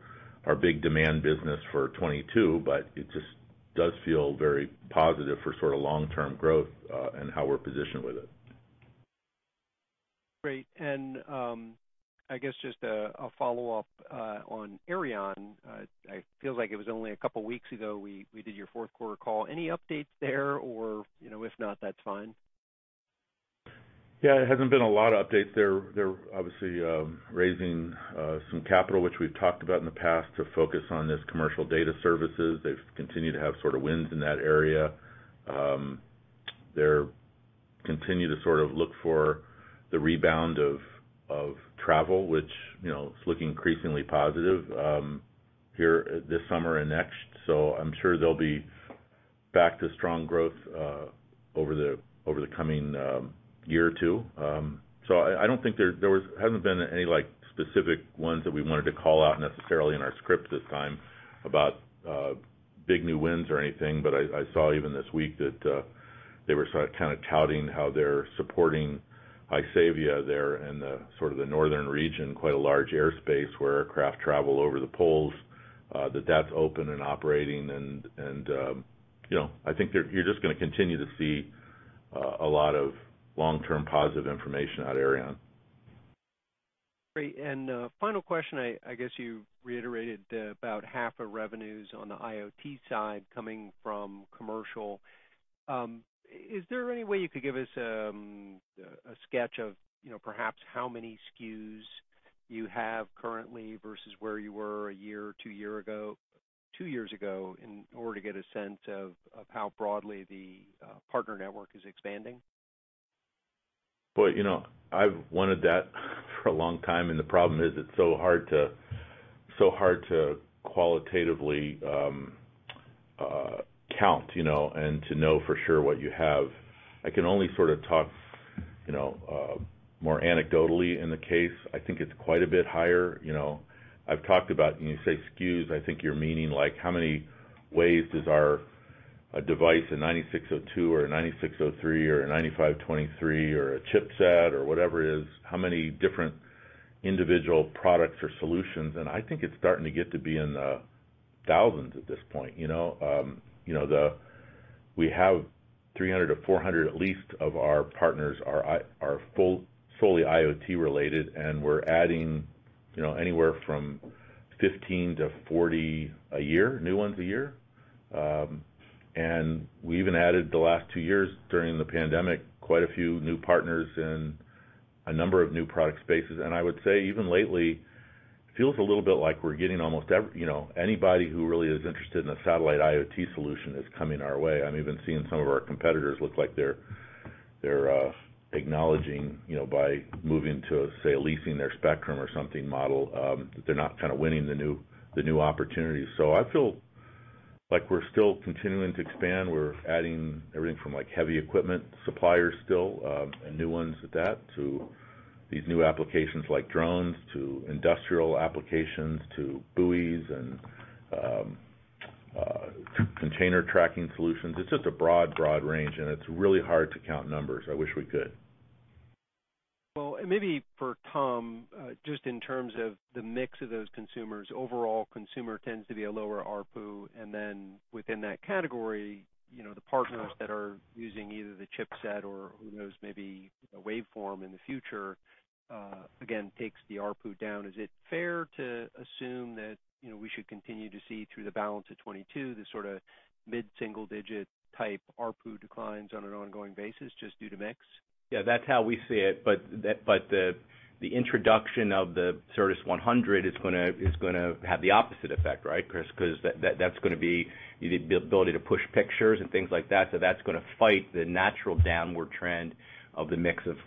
Speaker 3: big demand business for 2022, but it just does feel very positive for sorta long-term growth and how we're positioned with it.
Speaker 9: Great. I guess just a follow-up on Aireon. It feels like it was only a couple weeks ago we did your Q4 call. Any updates there or, you know, if not, that's fine.
Speaker 3: Yeah. It hasn't been a lot of updates there. They're obviously raising some capital, which we've talked about in the past to focus on this commercial data services. They've continued to have sort of wins in that area. They're continue to sort of look for the rebound of travel, which, you know, is looking increasingly positive here this summer and next. I'm sure they'll be back to strong growth over the coming year or two. I don't think there hasn't been any like specific ones that we wanted to call out necessarily in our script this time about big new wins or anything. I saw even this week that they were sort of kind of touting how they're supporting Isavia there in the sort of the northern region, quite a large airspace where aircraft travel over the poles, that's open and operating. You know, I think you're just gonna continue to see a lot of long-term positive information out of Aireon.
Speaker 9: Great. Final question, I guess you reiterated about half of revenues on the IoT side coming from commercial. Is there any way you could give us a sketch of, you know, perhaps how many SKUs you have currently versus where you were a year or two years ago in order to get a sense of how broadly the partner network is expanding?
Speaker 3: Boy, you know, I've wanted that for a long time, and the problem is it's so hard to qualitatively count, you know, and to know for sure what you have. I can only sort of talk, you know, more anecdotally in the case. I think it's quite a bit higher. You know, I've talked about when you say SKUs, I think you're meaning, like, how many ways does our device, a 9602 or a 9603 or a 9523 or a chipset or whatever it is, how many different individual products or solutions. I think it's starting to get to be in the thousands at this point, you know? We have 300 or 400 at least of our partners are solely IoT related, and we're adding, you know, anywhere from 15-40 a year, new ones a year. We even added the last two years during the pandemic, quite a few new partners in a number of new product spaces. I would say even lately, it feels a little bit like we're getting almost every, you know, anybody who really is interested in a satellite IoT solution is coming our way. I'm even seeing some of our competitors look like they're acknowledging, you know, by moving to, say, leasing their spectrum or something model, that they're not kind of winning the new opportunities. I feel like we're still continuing to expand. We're adding everything from like heavy equipment suppliers still, and new ones at that, to these new applications like drones, to industrial applications, to buoys and container tracking solutions. It's just a broad range, and it's really hard to count numbers. I wish we could.
Speaker 9: Well, maybe for Tom, just in terms of the mix of those consumers. Overall, consumer tends to be a lower ARPU. Then within that category, you know, the partners that are using either the chipset or who knows, maybe a waveform in the future, again, takes the ARPU down. Is it fair to assume that, you know, we should continue to see through the balance of 2022 the sort of mid-single digit type ARPU declines on an ongoing basis just due to mix?
Speaker 4: Yeah, that's how we see it. The introduction of the Certus 100 is gonna have the opposite effect, right, Chris? Because that's gonna be the ability to push pictures and things like that. That's gonna fight the natural downward trend of the mix of,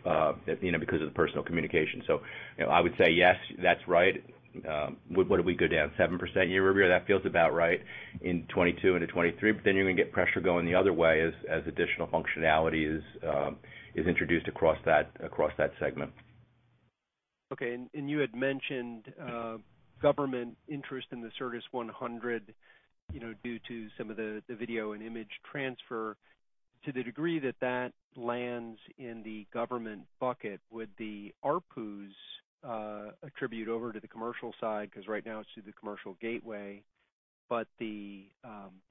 Speaker 4: you know, because of the personal communication. You know, I would say yes, that's right. What did we go down, 7% year-over-year? That feels about right in 2022 into 2023. Then you're gonna get pressure going the other way as additional functionality is introduced across that segment.
Speaker 9: Okay. You had mentioned government interest in the Certus 100, you know, due to some of the video and image transfer. To the degree that that lands in the government bucket, would the ARPUs attribute over to the commercial side? Because right now it's through the commercial gateway, but the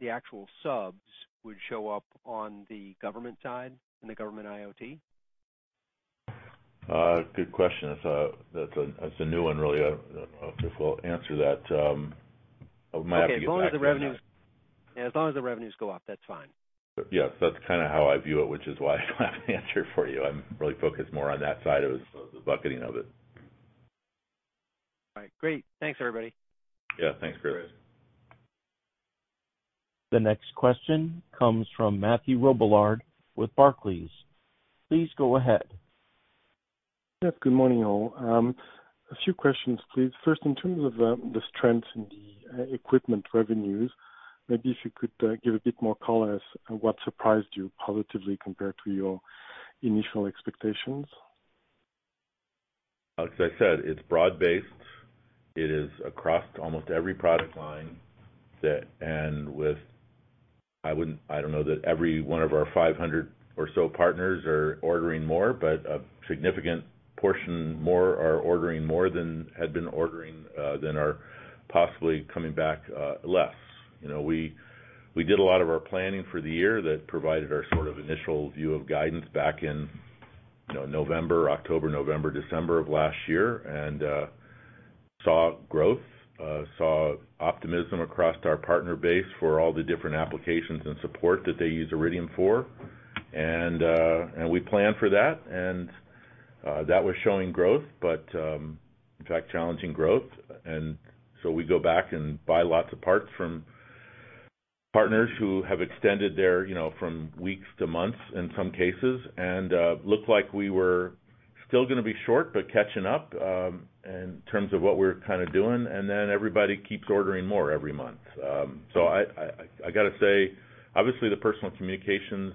Speaker 9: actual subs would show up on the government side in the government IoT.
Speaker 3: Good question. That's a new one, really. I don't know if Chris will answer that. I might have to get back to you on that.
Speaker 9: Okay. As long as the revenues go up, that's fine.
Speaker 3: Yeah. That's kinda how I view it, which is why I don't have the answer for you. I'm really focused more on that side as opposed to the bucketing of it.
Speaker 9: All right. Great. Thanks, everybody.
Speaker 3: Yeah. Thanks, Chris.
Speaker 1: The next question comes from Mathieu Robilliard with Barclays. Please go ahead.
Speaker 10: Yes, good morning, all. A few questions, please. First, in terms of the strength in the equipment revenues, maybe if you could give a bit more color as what surprised you positively compared to your initial expectations.
Speaker 3: As I said, it's broad-based. It is across almost every product line. I don't know that every one of our 500 or so partners are ordering more, but a significant portion are ordering more than had been ordering than are possibly coming back less. You know, we did a lot of our planning for the year that provided our sort of initial view of guidance back in, you know, October, November, December of last year. We saw growth, saw optimism across our partner base for all the different applications and support that they use Iridium for. We planned for that, and that was showing growth, but in fact, challenging growth. We go back and buy lots of parts from partners who have extended their, you know, from weeks to months in some cases. Looked like we were still gonna be short, but catching up in terms of what we're kinda doing, and then everybody keeps ordering more every month. I gotta say, obviously the personal communications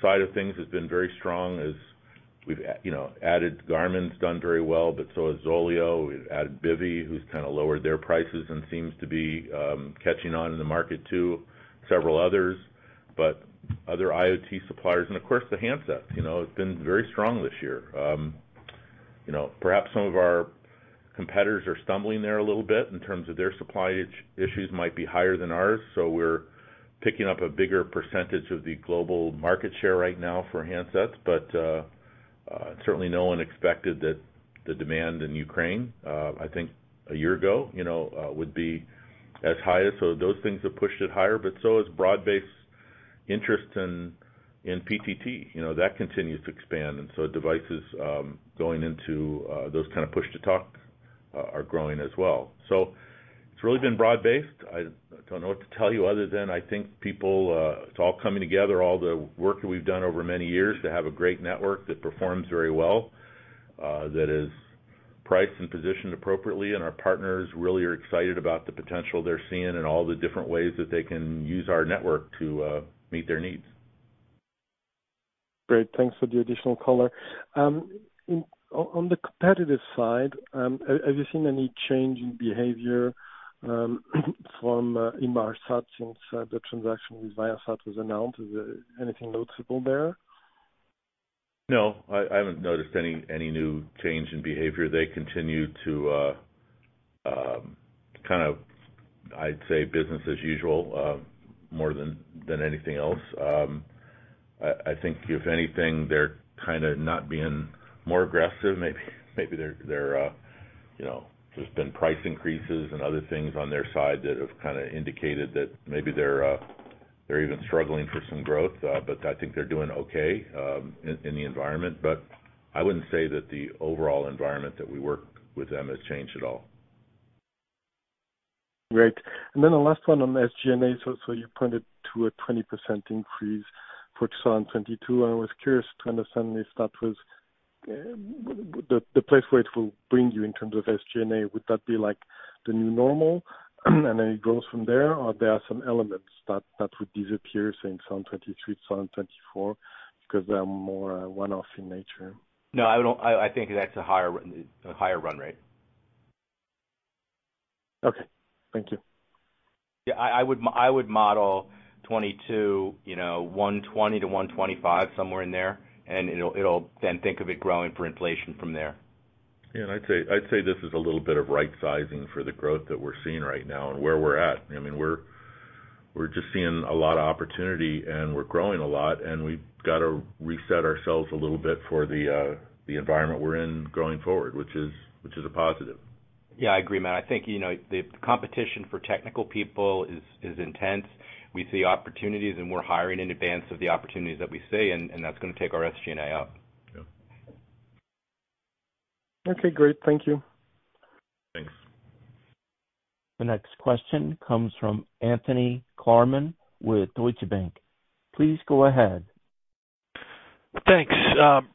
Speaker 3: side of things has been very strong as we've you know, added. Garmin's done very well, but so has ZOLEO. We've added Bivy, who's kinda lowered their prices and seems to be catching on in the market too. Several others, but other IoT suppliers and of course, the handsets, you know, have been very strong this year. You know, perhaps some of our competitors are stumbling there a little bit in terms of their supply issues might be higher than ours, so we're picking up a bigger percentage of the global market share right now for handsets. Certainly no one expected that the demand in Ukraine I think a year ago, you know, would be as high. Those things have pushed it higher, but so has broad-based interest in PTT, you know. That continues to expand, and devices going into those kind of push-to-talk are growing as well. It's really been broad-based. I don't know what to tell you other than I think people, it's all coming together, all the work that we've done over many years to have a great network that performs very well, that is priced and positioned appropriately, and our partners really are excited about the potential they're seeing and all the different ways that they can use our network to meet their needs.
Speaker 10: Great. Thanks for the additional color. On the competitive side, have you seen any change in behavior from Inmarsat since the transaction with Viasat was announced? Is there anything noticeable there?
Speaker 3: No, I haven't noticed any new change in behavior. They continue to kind of, I'd say, business as usual, more than anything else. I think if anything, they're kind of not being more aggressive. Maybe they're, you know, there's been price increases and other things on their side that have kind of indicated that maybe they're even struggling for some growth. I think they're doing okay in the environment, but I wouldn't say that the overall environment that we work with them has changed at all.
Speaker 10: Great. The last one on SG&A. You pointed to a 20% increase for 2022, and I was curious to understand if that was the place where it will bring you in terms of SG&A. Would that be like the new normal and then it grows from there, or there are some elements that would disappear, say, in 2023, some in 2024 because they are more one-off in nature?
Speaker 4: No, I don't. I think that's a higher run rate.
Speaker 10: Okay. Thank you.
Speaker 4: I would model 22, you know, 120-125, somewhere in there, and it'll then think of it growing for inflation from there.
Speaker 3: Yeah. I'd say this is a little bit of right sizing for the growth that we're seeing right now and where we're at. I mean, we're just seeing a lot of opportunity, and we're growing a lot, and we've gotta reset ourselves a little bit for the environment we're in going forward, which is a positive.
Speaker 4: Yeah, I agree, Matt. I think, you know, the competition for technical people is intense. We see opportunities, and we're hiring in advance of the opportunities that we see and that's gonna take our SG&A up.
Speaker 3: Yeah.
Speaker 10: Okay, great. Thank you.
Speaker 3: Thanks.
Speaker 1: The next question comes from Anthony Klarman with Deutsche Bank. Please go ahead.
Speaker 11: Thanks.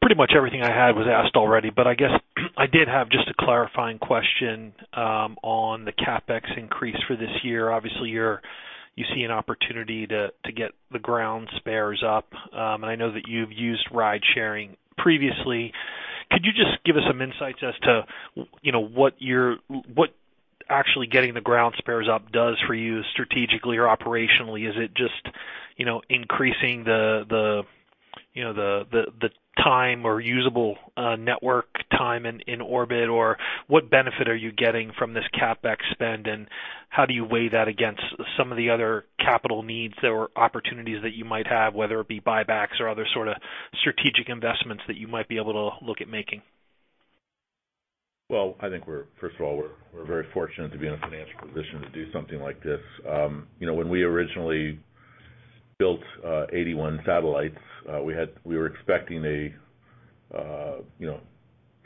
Speaker 11: Pretty much everything I had was asked already, but I guess I did have just a clarifying question on the CapEx increase for this year. Obviously, you see an opportunity to get the ground spares up. I know that you've used ride sharing previously. Could you just give us some insights as to you know, what actually getting the ground spares up does for you strategically or operationally? Is it just, you know, increasing the time or usable network time in orbit? Or what benefit are you getting from this CapEx spend, and how do you weigh that against some of the other capital needs or opportunities that you might have, whether it be buybacks or other sorta strategic investments that you might be able to look at making?
Speaker 3: I think we're first of all very fortunate to be in a financial position to do something like this. You know, when we originally built 81 satellites, we were expecting a you know,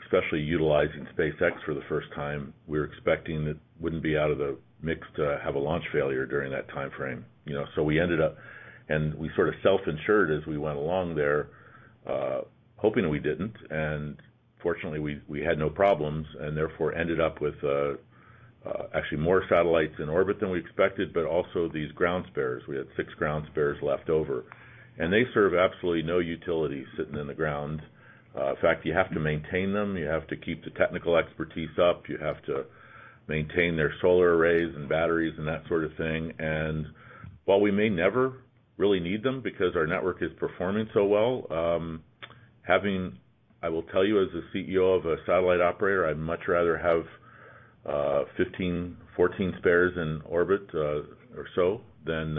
Speaker 3: especially utilizing SpaceX for the first time, we were expecting it wouldn't be out of the mix to have a launch failure during that timeframe, you know. We ended up and we sort of self-insured as we went along there, hoping we didn't. Fortunately, we had no problems and therefore ended up with actually more satellites in orbit than we expected, but also these ground spares. We had 6 ground spares left over. They serve absolutely no utility sitting in the ground. In fact, you have to maintain them. You have to keep the technical expertise up. You have to maintain their solar arrays and batteries and that sort of thing. While we may never really need them because our network is performing so well, having, I will tell you as a CEO of a satellite operator, I'd much rather have 15, 14 spares in orbit or so than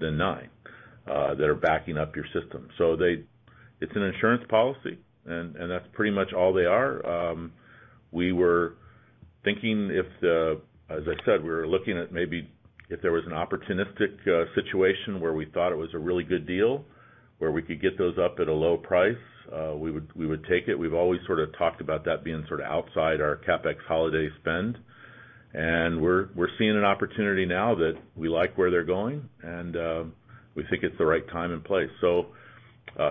Speaker 3: nine that are backing up your system. They are an insurance policy, and that's pretty much all they are. We were thinking, as I said, we were looking at maybe if there was an opportunistic situation where we thought it was a really good deal, where we could get those up at a low price, we would take it. We've always sort of talked about that being sort of outside our CapEx holiday spend. We're seeing an opportunity now that we like where they're going, and we think it's the right time and place.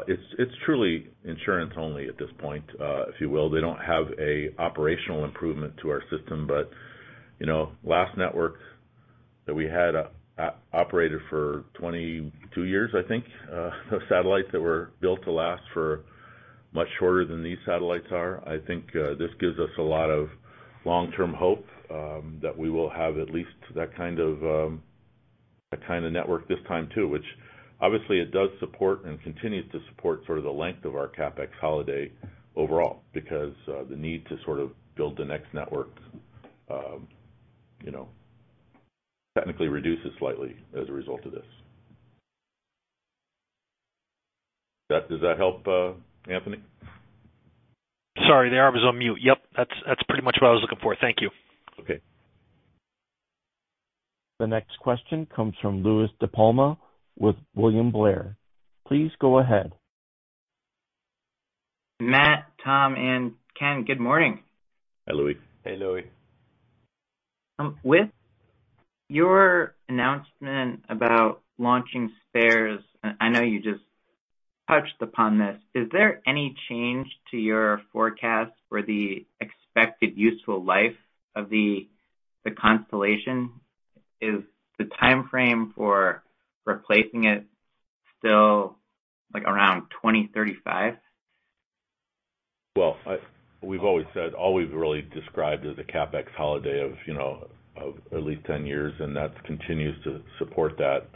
Speaker 3: It's truly insurance only at this point, if you will. They don't have an operational improvement to our system, but you know, last network that we had operated for 22 years, I think, the satellites that were built to last for much shorter than these satellites are. I think this gives us a lot of long-term hope that we will have at least that kind of network this time too, which obviously it does support and continues to support sort of the length of our CapEx holiday overall. Because the need to sort of build the next network you know, technically reduces slightly as a result of this. Does that help, Anthony?
Speaker 11: Sorry, there I was on mute. Yep, that's pretty much what I was looking for. Thank you.
Speaker 3: Okay.
Speaker 1: The next question comes from Louis DiPalma with William Blair. Please go ahead.
Speaker 12: Matt, Tom, and Ken, good morning.
Speaker 3: Hi, Louis.
Speaker 4: Hey, Louis.
Speaker 12: With your announcement about launching spares, I know you just touched upon this, is there any change to your forecast for the expected useful life of the constellation? Is the timeframe for replacing it still, like, around 2035?
Speaker 3: Well, we've always said, all we've really described is a CapEx holiday of, you know, of at least 10 years, and that continues to support that.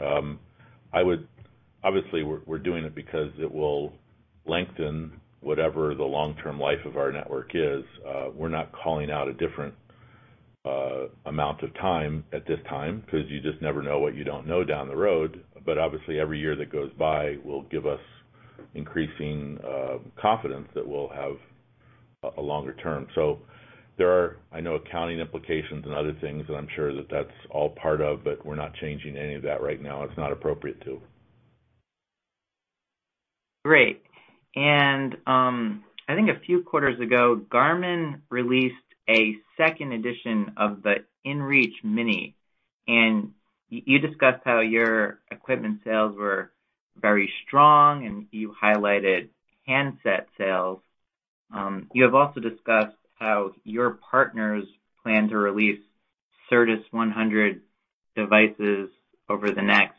Speaker 3: Obviously we're doing it because it will lengthen whatever the long-term life of our network is. We're not calling out a different amount of time at this time, because you just never know what you don't know down the road. Obviously, every year that goes by will give us increasing confidence that we'll have a longer term. There are, I know, accounting implications and other things that I'm sure that's all part of, but we're not changing any of that right now. It's not appropriate to.
Speaker 12: Great. I think a few quarters ago, Garmin released a second edition of the inReach Mini, and you discussed how your equipment sales were very strong, and you highlighted handset sales. You have also discussed how your partners plan to release Certus 100 devices over the next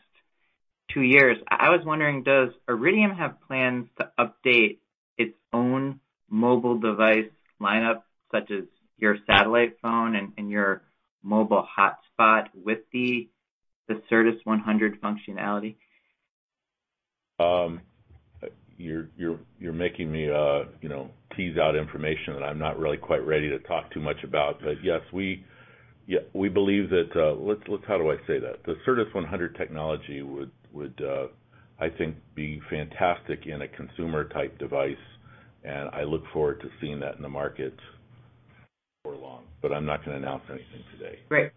Speaker 12: 2 years. I was wondering, does Iridium have plans to update its own mobile device lineup, such as your satellite phone and your mobile hotspot with the Certus 100 functionality?
Speaker 3: You're making me, you know, tease out information that I'm not really quite ready to talk too much about. But yes, we believe that, let's, how do I say that? The Certus 100 technology would, I think, be fantastic in a consumer-type device, and I look forward to seeing that in the market before long. But I'm not gonna announce anything today.
Speaker 12: Great.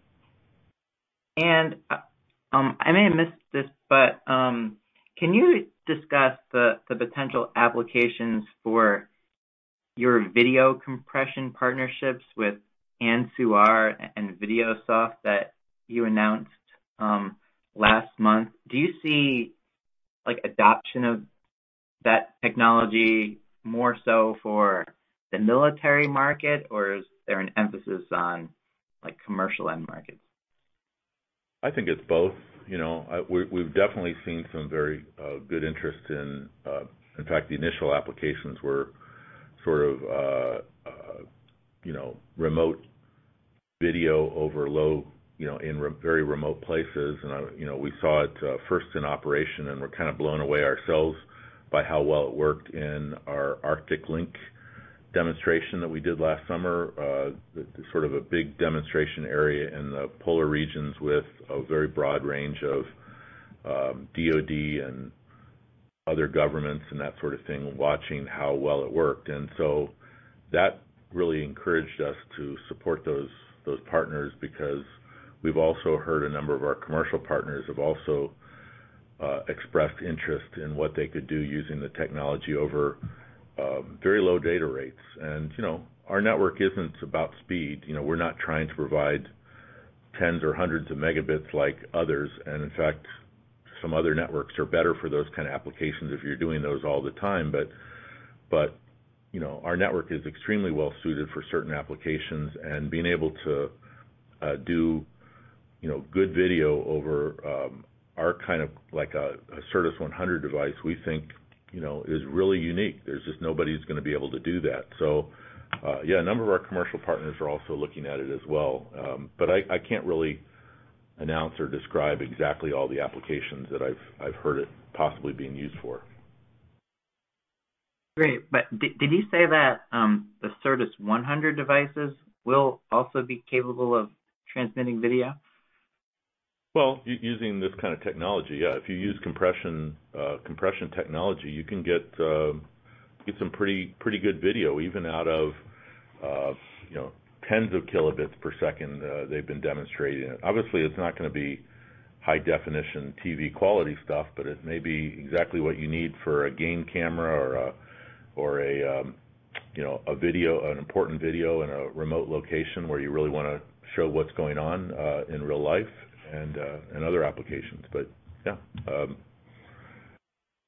Speaker 12: I may have missed this, but can you discuss the potential applications for your video compression partnerships with AnsuR and Videosoft that you announced last month? Do you see, like, adoption of that technology more so for the military market, or is there an emphasis on, like, commercial end markets?
Speaker 3: I think it's both, you know. We've definitely seen some very good interest in. In fact, the initial applications were sort of, you know, remote video over low, you know, very remote places. You know, we saw it first in operation, and we're kind of blown away ourselves by how well it worked in our Arctic Link demonstration that we did last summer. Sort of a big demonstration area in the polar regions with a very broad range of DoD and other governments and that sort of thing, watching how well it worked. That really encouraged us to support those partners because we've also heard a number of our commercial partners have also expressed interest in what they could do using the technology over very low data rates. You know, our network isn't about speed. You know, we're not trying to provide tens or hundreds of megabits like others. In fact, some other networks are better for those kind of applications if you're doing those all the time, but you know, our network is extremely well suited for certain applications, and being able to do you know, good video over our kind of like a Certus 100 device, we think you know, is really unique. There's just nobody who's gonna be able to do that. Yeah, a number of our commercial partners are also looking at it as well. But I can't really announce or describe exactly all the applications that I've heard it possibly being used for.
Speaker 12: Did you say that the Certus 100 devices will also be capable of transmitting video?
Speaker 3: Well, using this kind of technology, yeah. If you use compression technology, you can get some pretty good video even out of you know, tens of kilobits per second. They've been demonstrating it. Obviously, it's not gonna be high-definition TV quality stuff, but it may be exactly what you need for a game camera or a you know, an important video in a remote location where you really wanna show what's going on in real life and other applications. Yeah,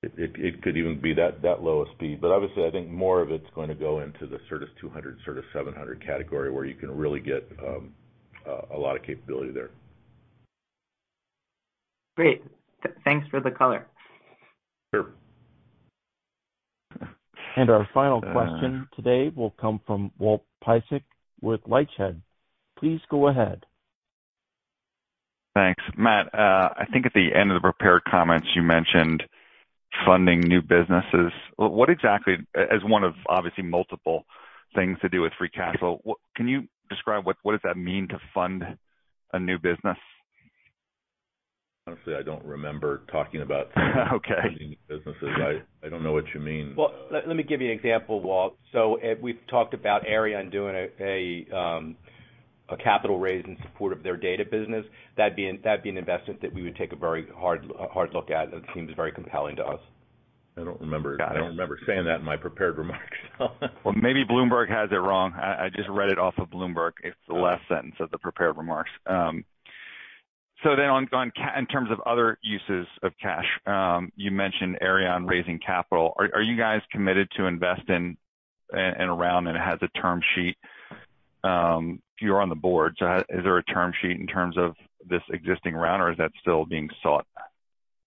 Speaker 3: it could even be that low a speed. Obviously, I think more of it's gonna go into the Certus 200, Certus 700 category, where you can really get a lot of capability there.
Speaker 12: Great. Thanks for the color.
Speaker 3: Sure.
Speaker 1: Our final question today will come from Walter Piecyk with LightShed. Please go ahead.
Speaker 13: Thanks. Matt, I think at the end of the prepared comments you mentioned funding new businesses. What exactly as one of obviously multiple things to do with free cash flow, can you describe what that means to fund a new business?
Speaker 3: Honestly, I don't remember talking about.
Speaker 13: Okay.
Speaker 3: I don't know what you mean.
Speaker 4: Well, let me give you an example, Walt. We've talked about Aireon doing a capital raise in support of their data business. That'd be an investment that we would take a very hard look at, that seems very compelling to us.
Speaker 3: I don't remember.
Speaker 4: Got it.
Speaker 3: I don't remember saying that in my prepared remarks.
Speaker 13: Well, maybe Bloomberg has it wrong. I just read it off of Bloomberg. It's the last sentence of the prepared remarks. In terms of other uses of cash, you mentioned Aireon raising capital. Are you guys committed to invest in a round and it has a term sheet if you're on the board? Is there a term sheet in terms of this existing round or is that still being sought?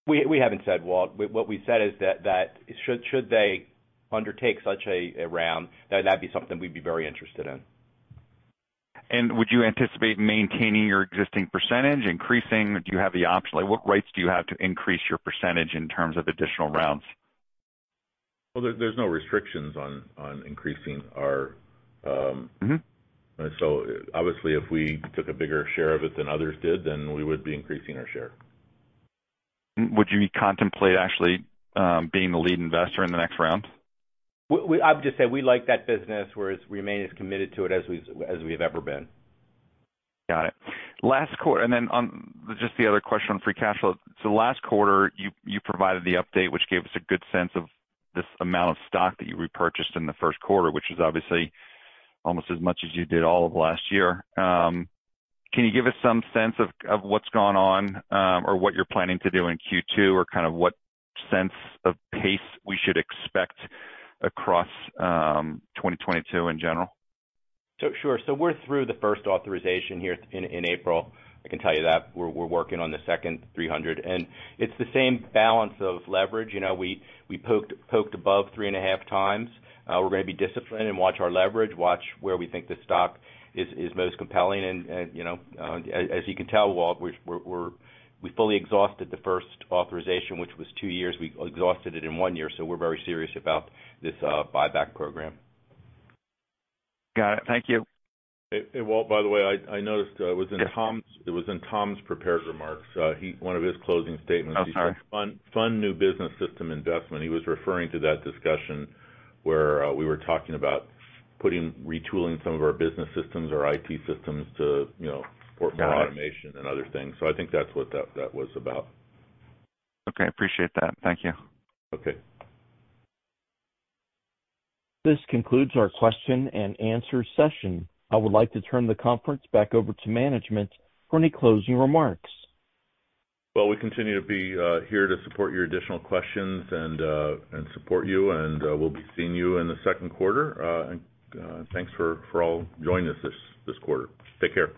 Speaker 4: We haven't said, Walt. What we said is that should they undertake such a round, that that'd be something we'd be very interested in.
Speaker 13: Would you anticipate maintaining your existing percentage, increasing? Do you have the option? Like, what rights do you have to increase your percentage in terms of additional rounds?
Speaker 3: Well, there's no restrictions on increasing our
Speaker 13: Mm-hmm.
Speaker 3: Obviously, if we took a bigger share of it than others did, then we would be increasing our share.
Speaker 13: Would you contemplate actually being the lead investor in the next round?
Speaker 4: I would just say we like that business. We remain as committed to it as we have ever been.
Speaker 13: Got it. Last quarter, just the other question on free cash flow. Last quarter, you provided the update, which gave us a good sense of this amount of stock that you repurchased in the Q1, which is obviously almost as much as you did all of last year. Can you give us some sense of what's gone on or what you're planning to do in Q2 or kind of what sense of pace we should expect across 2022 in general?
Speaker 4: Sure. We're through the first authorization here in April, I can tell you that. We're working on the second $300, and it's the same balance of leverage. You know, we poked above 3.5x. We're gonna be disciplined and watch our leverage, watch where we think the stock is most compelling. As you can tell, Walt, we fully exhausted the first authorization, which was 2 years. We exhausted it in 1 year. We're very serious about this buyback program.
Speaker 13: Got it. Thank you.
Speaker 3: Hey, Walt, by the way, I noticed it was in Tom's prepared remarks, one of his closing statements.
Speaker 13: Oh, sorry.
Speaker 3: He said, "Fun, fun new business system investment." He was referring to that discussion where we were talking about retooling some of our business systems, our IT systems to, you know, portfolio automation and other things. I think that's what that was about.
Speaker 13: Okay. Appreciate that. Thank you.
Speaker 3: Okay.
Speaker 1: This concludes our question and answer session. I would like to turn the conference back over to management for any closing remarks.
Speaker 3: Well, we continue to be here to support your additional questions and support you, and we'll be seeing you in the Q2. Thanks for all joining us this quarter. Take care.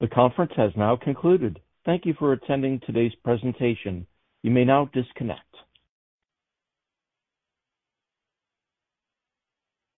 Speaker 1: The conference has now concluded. Thank you for attending today's presentation. You may now disconnect.